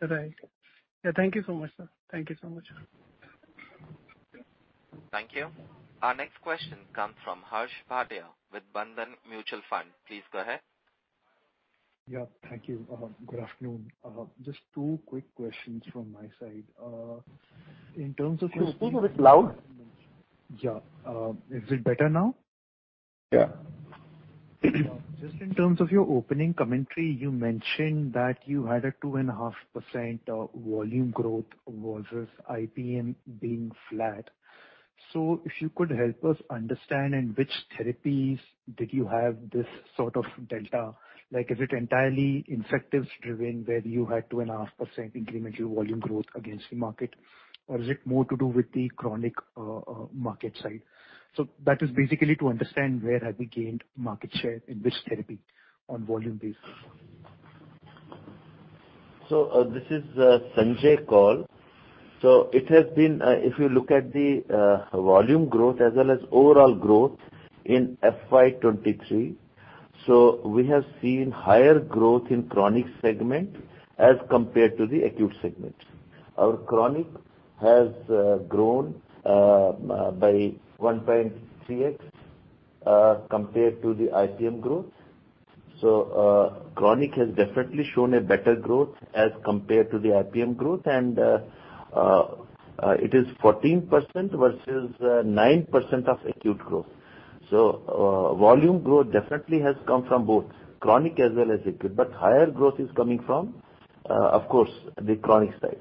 Right. Thank you so much, sir. Thank you so much. Thank you. Our next question comes from Harsh Bhatia with Bandhan Mutual Fund. Please go ahead. Thank you. Good afternoon. Just two quick questions from my side. Could you speak a bit loud? Yeah. Is it better now? Yeah. Just in terms of your opening commentary, you mentioned that you had a 2.5% volume growth versus IPM being flat. If you could help us understand, in which therapies did you have this sort of delta? Like, is it entirely infectives-driven, where you had 2.5% incremental volume growth against the market, or is it more to do with the chronic market side? So that is basically to understand where have you gained market share, in which therapy, on volume basis. This is Sanjay Koul. So it has been, if you look at the volume growth as well as overall growth in FY 2023, we have seen higher growth in chronic segment as compared to the acute segment. Our chronic has grown by 1.3x compared to the IPM growth. Chronic has definitely shown a better growth as compared to the IPM growth, and it is 14% versus 9% of acute growth. Volume growth definitely has come from both chronic as well as acute, but higher growth is coming from, of course, the chronic side.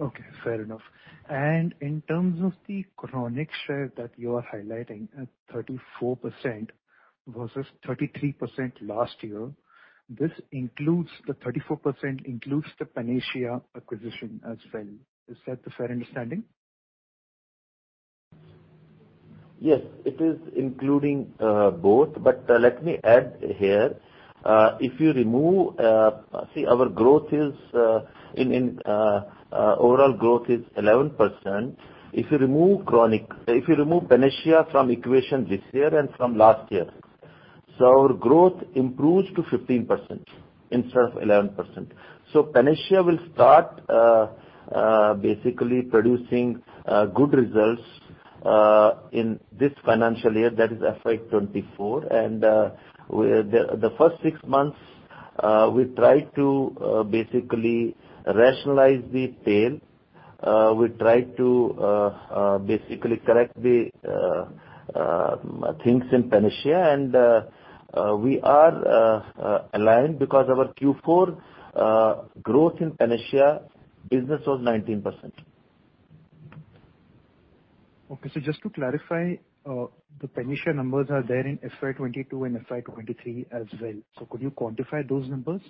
Okay, fair enough. In terms of the chronic share that you are highlighting at 34% versus 33% last year, this includes, the 34% includes the Panacea acquisition as well. Is that a fair understanding? Yes, it is including both. Let me add here. If you remove, see, our growth is in overall growth is 11%. If you remove Panacea from equation this year and from last year, our growth improves to 15% instead of 11%. So Panacea will start basically producing good results in this financial year, that is FY 2024. We, the first six months, we tried to basically rationalize the tail. We tried to basically correct the things in Panacea. We are aligned because our Q4 growth in Panacea business was 19%. Okay, just to clarify, the Panacea numbers are there in FY 2022 and FY 2023 as well. Could you quantify those numbers,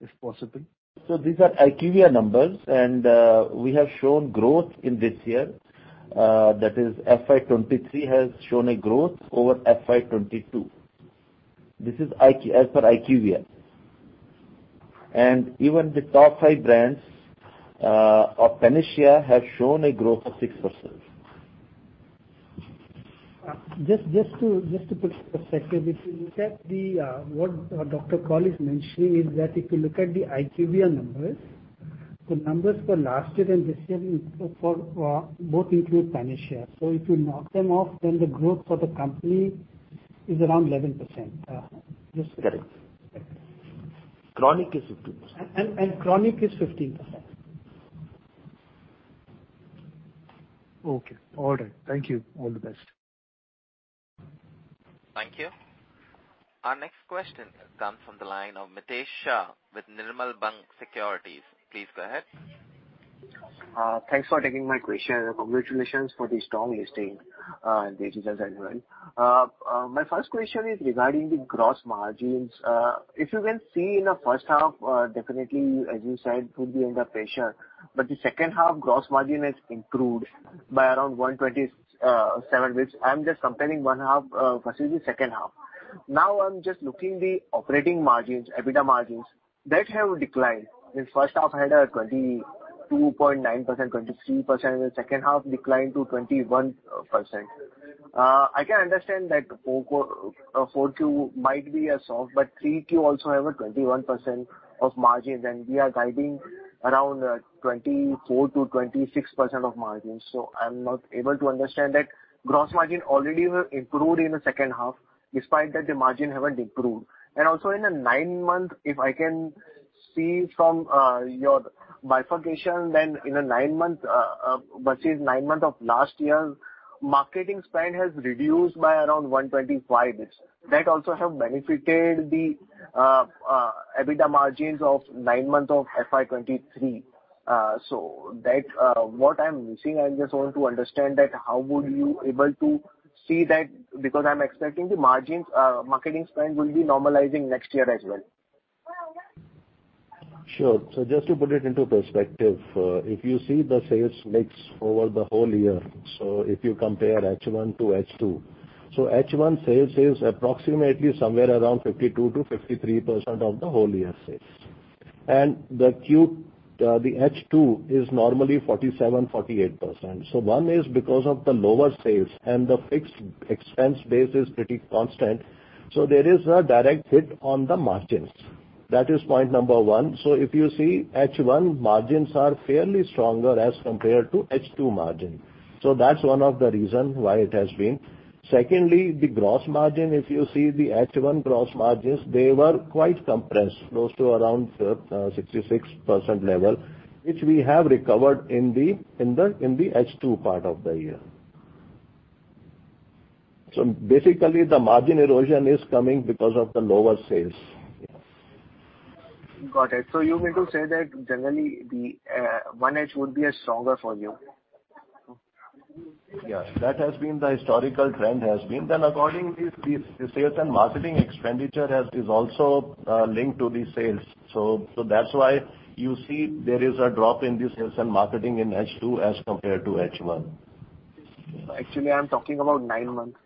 if possible? These are IQVIA numbers, and we have shown growth in this year, that is FY 2023 has shown a growth over FY 2022. This is as per IQVIA. Even the top five brands of Panacea have shown a growth of 6%. Just to put it in perspective, if you look at the what Dr. Koul is mentioning, is that if you look at the IQVIA numbers, the numbers for last year and this year for both include Panacea. So if you knock them off, then the growth for the company is around 11%. Correct. Chronic is 15%. And chronic is 15%. Okay. All right. Thank you. All the best. Thank you. Our next question comes from the line of Mitesh Shah with Nirmal Bang Securities. Please go ahead. Thanks for taking my question. Congratulations for the strong listing and the results as well. My first question is regarding the gross margins. If you can see in the first half, definitely, as you said, could be under pressure, but the second half gross margin has improved by around 127, which I'm just comparing one half, versus the second half. Now, I'm just looking the operating margins, EBITDA margins, that have declined. In first half had a 22.9%, 23%, in the second half declined to 21%. I can understand that 4Q might be a soft, but 3Q also have a 21% of margins, and we are guiding around 24%-26% of margins. I'm not able to understand that. Gross margin already have improved in the second half, despite that, the margin haven't improved. Also in the nine months, if I can see from your bifurcation, then in a nine-month versus nine month of last year, marketing spend has reduced by around 125. That also have benefited the EBITDA margins of nine months of FY 2023. What I'm missing, I just want to understand that how would you able to see that? I'm expecting the margins, marketing spend will be normalizing next year as well. Sure. So just to put it into perspective, if you see the sales mix over the whole year, if you compare H1 to H2, H1 sales is approximately somewhere around 52% to 53% of the whole year sales. And the H2 is normally 47%, 48%. So one, is because of the lower sales and the fixed expense base is pretty constant, there is a direct hit on the margins. That is point number one. If you see, H1 margins are fairly stronger as compared to H2 margin, so that's one of the reason why it has been. Secondly, the gross margin, if you see the H1 gross margins, they were quite compressed, close to around 66% level, which we have recovered in the H2 part of the year. So bSo asically, the margin erosion is coming because of the lower sales. Yeah. Got it. You mean to say that generally the 1H would be a stronger for you? Yes. That has been the historical trend. Accordingly, the sales and marketing expenditure is also linked to the sales. So that's why you see there is a drop in the sales and marketing in H2 as compared to H1. Actually, I'm talking about nine months,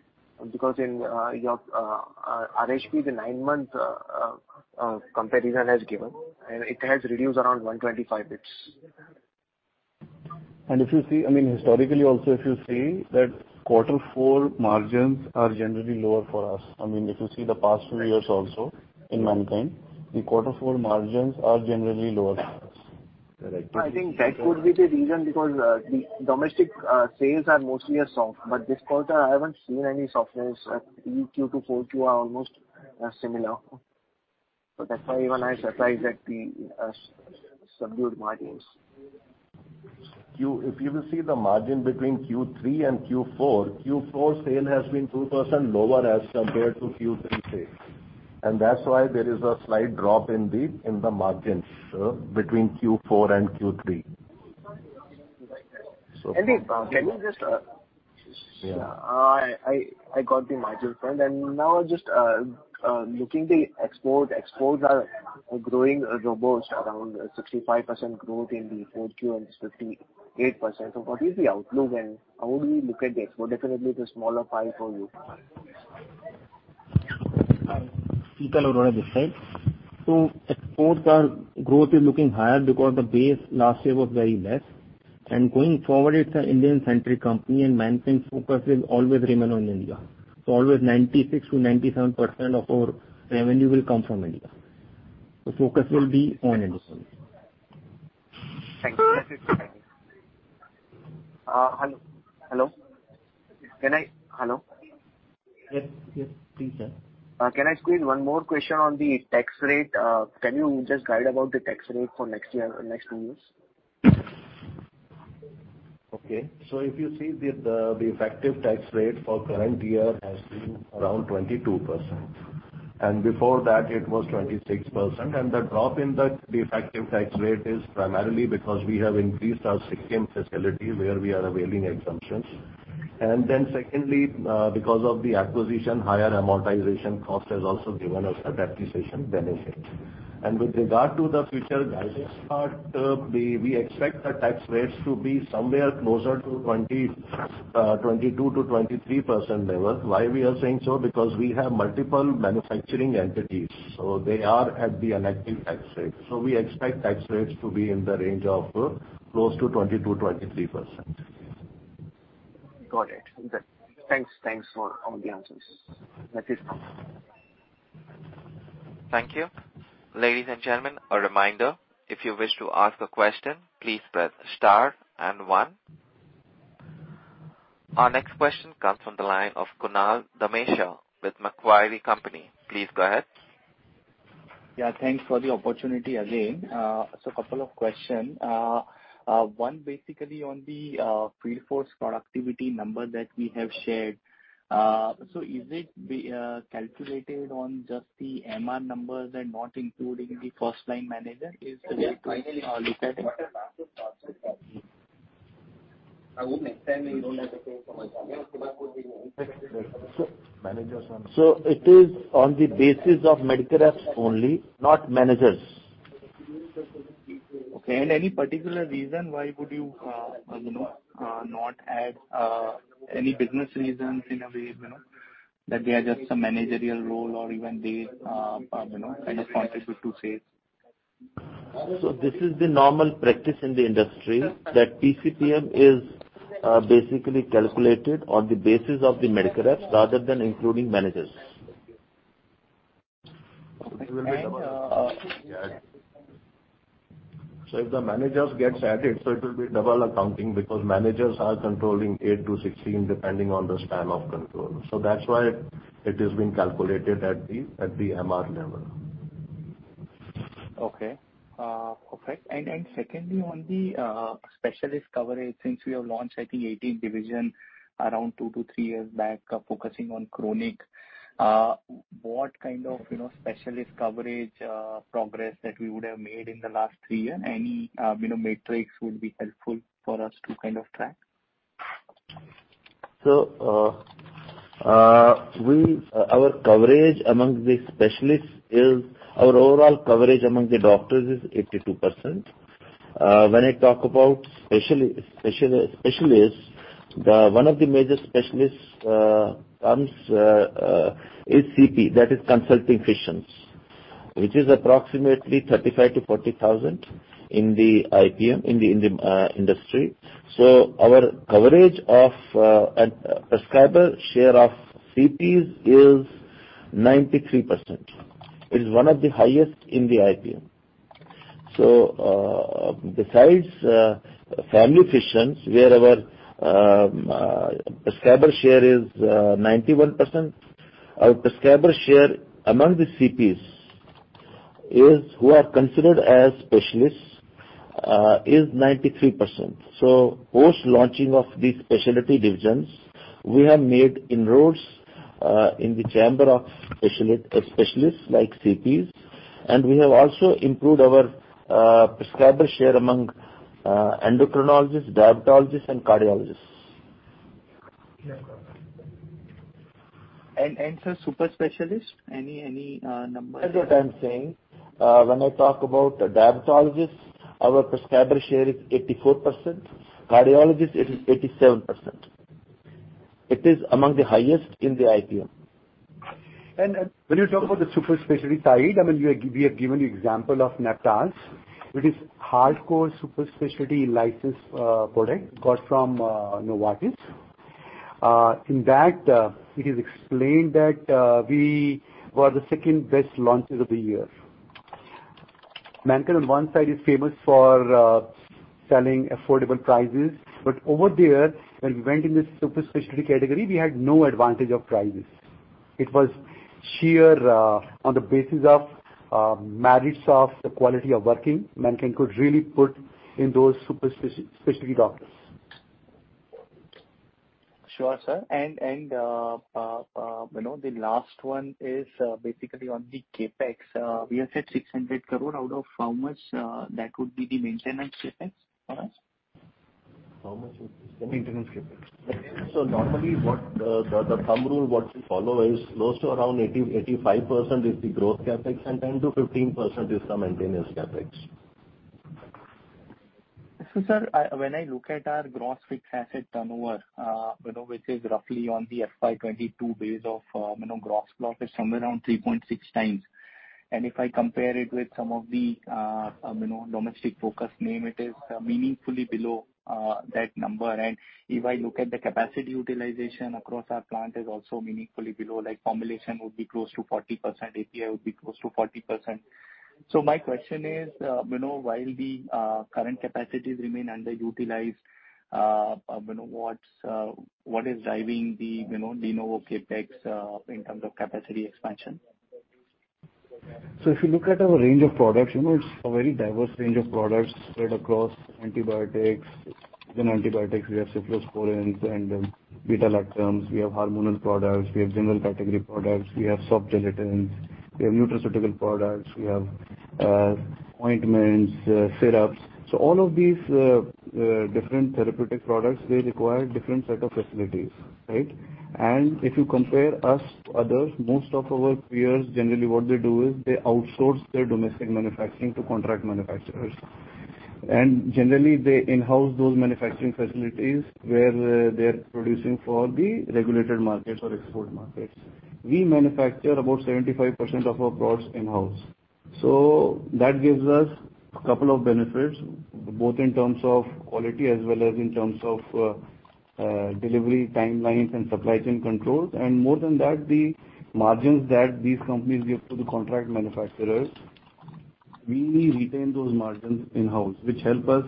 because in your RHP, the nine-month comparison has given, and it has reduced around 125 basis points. If you see, I mean, historically also, if you see that quarter four margins are generally lower for us. I mean, if you see the past two years also in Mankind, the quarter four margins are generally lower for us. Correct. I think that could be the reason, because the domestic sales are mostly a soft, but this quarter, I haven't seen any softness. Q2 to Q4 are almost similar. That's why even I'm surprised at the subdued margins. If you, if you will see the margin between Q3 and Q4 sale has been 2% lower as compared to Q3 sale. That's why there is a slight drop in the margins between Q4 and Q3. Can we just. Yeah. I got the margin front. Now just looking the export. Exports are growing robust, around 65% growth in the Q4, and it's 58%. What is the outlook, and how do we look at the export? Definitely, it's a smaller pie for you. So exports are growth is looking higher because the base last year was very less. Going forward, it's an Indian-centric company, and Mankind focus will always remain on India. Always 96% to 97% of our revenue will come from India. The focus will be on India. Thank you. Hello, hello? Hello. Yes, yes, please, sir. Can I squeeze one more question on the tax rate? Can you just guide about the tax rate for next year, next two years? Okay. So, if you see the effective tax rate for current year has been around 22%, before that it was 26%. And the drop in the effective tax rate is primarily because we have increased our Sikkim facility where we are availing exemptions. And then secondly, because of the acquisition, higher amortization cost has also given us a depreciation benefit. With regard to the future guidance part, we expect the tax rates to be somewhere closer to 22%-23% level. Why we are saying so? Because we have multiple manufacturing entities, so they are at the elective tax rate. We expect tax rates to be in the range of close to 22%-23%. Got it. Okay. Thanks. Thanks for all the answers. That is all. Thank you. Ladies and gentlemen, a reminder, if you wish to ask a question, please press star and One. Our next question comes from the line of Kunal Dhamesha with Macquarie Company. Please go ahead. Yeah, thanks for the opportunity again. So a couple of questions. One, basically on the field force productivity number that we have shared. So is it calculated on just the MR numbers and not including the first line manager? Is the way you all look at it? So it is on the basis of medical reps only, not managers. Okay. Any particular reason why would you know, not add any business reasons in a way, you know, that they are just a managerial role or even they, you know, kind of contribute to sales? This is the normal practice in the industry, that TCPM is basically calculated on the basis of the medical reps rather than including managers. And, uh- If the managers get added, so it will be double accounting because managers are controlling eight to 16, depending on the span of control. That's why it is being calculated at the MR level. Okay, perfect. Secondly, on the specialist coverage, since we have launched, I think, 18 division around two to three years back, focusing on chronic, what kind of, you know, specialist coverage, progress that we would have made in the last three years? Any, you know, metrics would be helpful for us to kind of track. So our coverage among the specialists is, our overall coverage among the doctors is 82%. When I talk about specialists, the one of the major specialists comes is CP, that is Consulting Physicians, which is approximately 35,000-40,000 in the IPM in the industry. Our coverage of a prescriber share of CPs is 93%. It is one of the highest in the IPM. Besides family physicians, where our prescriber share is 91%, our prescriber share among the CPs is, who are considered as specialists, is 93%. Post-launching of these specialty divisions, we have made inroads in the chamber of specialists, like CPs, and we have also improved our prescriber share among endocrinologists, dermatologists, and cardiologists. And sir, super specialists, any numbers? That's what I'm saying. When I talk about dermatologists, our prescriber share is 84%, cardiologists, it is 87%. It is among the highest in the IPM. When you talk about the super specialty side, I mean, we have given you example of Neptaz, which is hardcore, super specialty licensed product got from Novartis. In that, it is explained that we were the second-best launches of the year. Mankind on one side is famous for selling affordable prices, but over there, when we went in this super specialty category, we had no advantage of prices. It was sheer on the basis of merits of the quality of working, Mankind could really put in those super specialty doctors. Sure, sir. You know, the last one is basically on the CapEx. We have said 600 crores, out of how much, that would be the maintenance CapEx for us? How much is. Maintenance CapEx. So normally, what the thumb rule, what we follow is close to around 80%-85% is the growth CapEx, and 10%-15% is the maintenance CapEx. So sir, I, when I look at our gross fixed asset turnover, you know, which is roughly on the FY 2022 base of, you know, gross profit somewhere around 3.6x. And if I compare it with some of the, you know, domestic focus name, it is meaningfully below that number. And if I look at the capacity utilization across our plant is also meaningfully below, like formulation would be close to 40%, API would be close to 40%. My question is, you know, while the current capacities remain underutilized, you know, what's, what is driving the, you know, de novo CapEx in terms of capacity expansion? So if you look at our range of products, you know, it's a very diverse range of products spread across antibiotics. Antibiotics, we have cephalosporins and beta-lactams. We have hormonal products, we have general category products, we have soft gelatins, we have nutraceutical products, we have ointments, syrups. So all of these different therapeutic products, they require different set of facilities, right? If you compare us to others, most of our peers, generally what they do is they outsource their domestic manufacturing to contract manufacturers. And generally, they in-house those manufacturing facilities where they're producing for the regulated markets or export markets. We manufacture about 75% of our products in-house. So, that gives us a couple of benefits, both in terms of quality as well as in terms of delivery, timelines, and supply chain controls. And more than that, the margins that these companies give to the contract manufacturers, we retain those margins in-house, which help us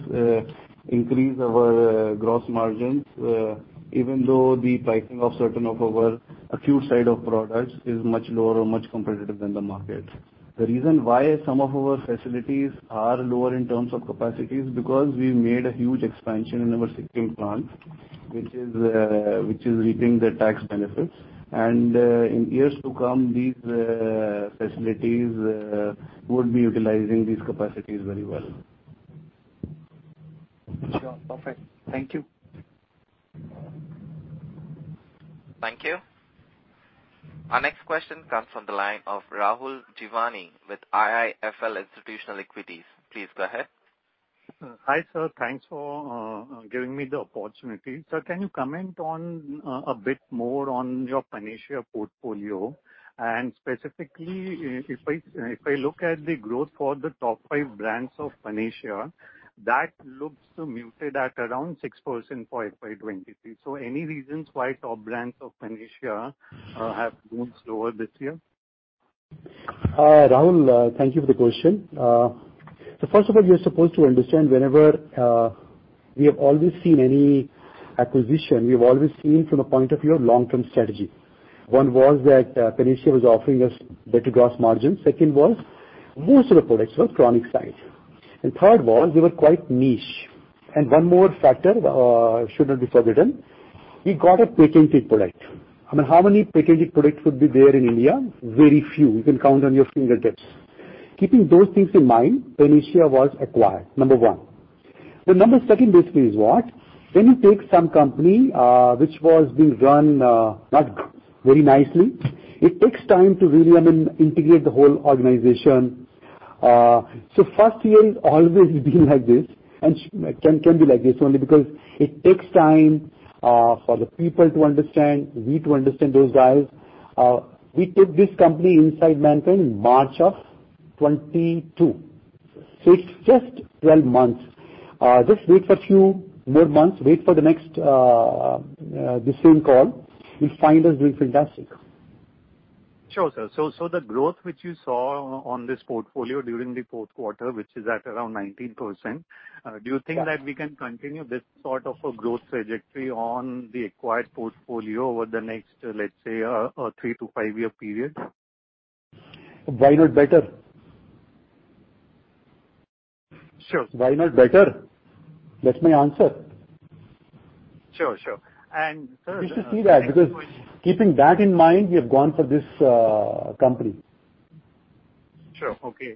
increase our gross margins, even though the pricing of certain of our acute side of products is much lower or much competitive than the market. The reason why some of our facilities are lower in terms of capacity is because we've made a huge expansion in our existing plants, which is, which is reaping the tax benefits. In years to come, these facilities would be utilizing these capacities very well. Sure. Perfect. Thank you. Thank you. Our next question comes from the line of Rahul Jeewani with IIFL Institutional Equities. Please go ahead. Hi, sir. Thanks for giving me the opportunity. Sir, can you comment on a bit more on your Panacea portfolio? And specifically, if I look at the growth for the top five brands of Panacea, that looks muted at around 6% for FY 2023. Any reasons why top brands of Panacea have grown slower this year? Rahul, thank you for the question. So first of all, you're supposed to understand whenever we have always seen any acquisition, we've always seen from a point of view of long-term strategy. One was that Panacea was offering us better gross margins. Second was, most of the products were chronic side. Third was, they were quite niche. One more factor should not be forgotten: We got a patented product. I mean, how many patented products would be there in India? Very few. You can count on your fingertips. Keeping those things in mind, Panacea was acquired, number 1. Number 2, basically, is what? When you take some company, which was being run, not very nicely, it takes time to really, I mean, integrate the whole organization. First year is always being like this, and can be like this only because it takes time for the people to understand, we to understand those guys. We took this company inside Mankind in March of 2022. It's just 12 months. Just wait for few more months, wait for the next, the same call, you'll find us doing fantastic. Sure, sir. The growth which you saw on this portfolio during the Q4, which is at around 19%, do you think that we can continue this sort of a growth trajectory on the acquired portfolio over the next, let's say, a 3-5-year period? Why not better? Sure. Why not better? That's my answer. Sure, sure. Sir, the next question- We should see that, because keeping that in mind, we have gone for this company. Sure. Okay.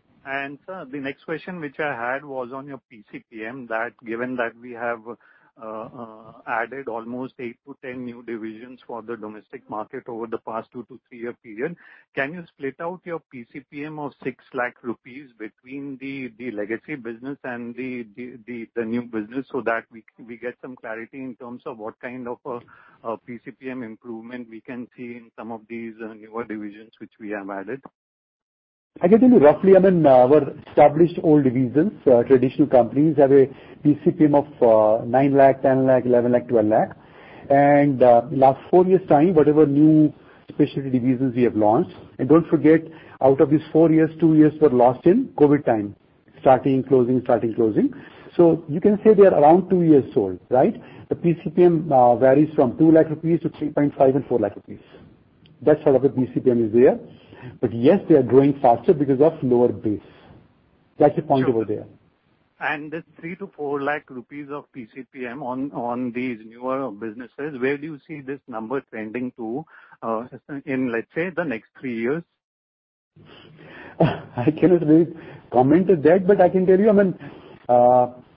Sir, the next question which I had was on your PCPM, that given that we have added almost eight to 10 new divisions for the domestic market over the past two to three-year period, can you split out your PCPM of six lakh rupees between the legacy business and the new business so that we get some clarity in terms of what kind of PCPM improvement we can see in some of these newer divisions which we have added? I can tell you roughly, I mean, our established old divisions, traditional companies have a PCPM of 9 lakh, 10 lakh, 11 lakh, 12 lakh. Last four years' time, whatever new specialty divisions we have launched, and don't forget, out of these four years, two years were lost in COVID-19 time, starting, closing, starting, closing. You can say they are around two years old, right? The PCPM varies from 2 lakh rupees to 3.5 lakh and four lakh rupees. That sort of a PCPM is there. Yes, they are growing faster because of lower base. That's the point over there. This 3-4 lakh rupees of PCPM on these newer businesses, where do you see this number trending to, in, let's say, the next three years? I cannot really comment on that, but I can tell you, I mean,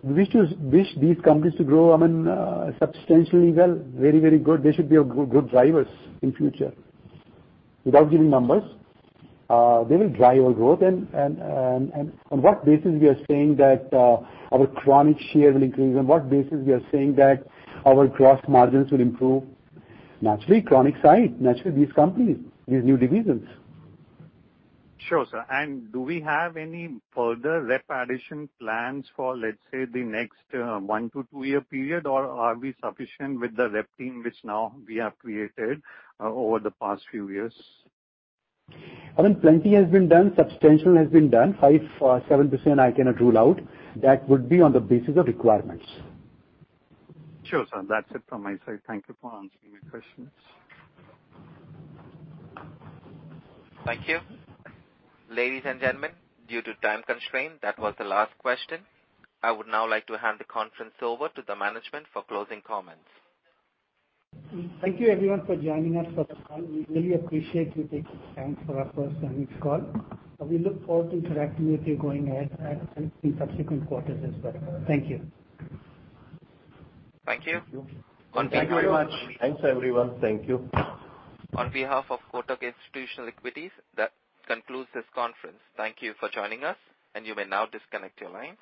we wish these companies to grow, I mean, substantially well, very good. They should be a good drivers in future. Without giving numbers, they will drive our growth. On what basis we are saying that our chronic share will increase, on what basis we are saying that our gross margins will improve? Naturally, chronic side, naturally, these companies, these new divisions. Sure, sir. Do we have any further rep addition plans for, let's say, the next 1-2 year period, or are we sufficient with the rep team, which now we have created over the past few years? I mean, plenty has been done, substantial has been done. 5%, 7%, I cannot rule out. That would be on the basis of requirements. Sure, sir. That's it from my side. Thank you for answering my questions. Thank you. Ladies and gentlemen, due to time constraint, that was the last question. I would now like to hand the conference over to the management for closing comments. Thank you everyone for joining us for the call. We really appreciate you taking time for our first earnings call. We look forward to interacting with you going ahead, in subsequent quarters as well. Thank you. Thank you. Thank you. Thank you very much. Thanks, everyone. Thank you. On behalf of Kotak Institutional Equities, that concludes this conference. Thank you for joining us. You may now disconnect your lines.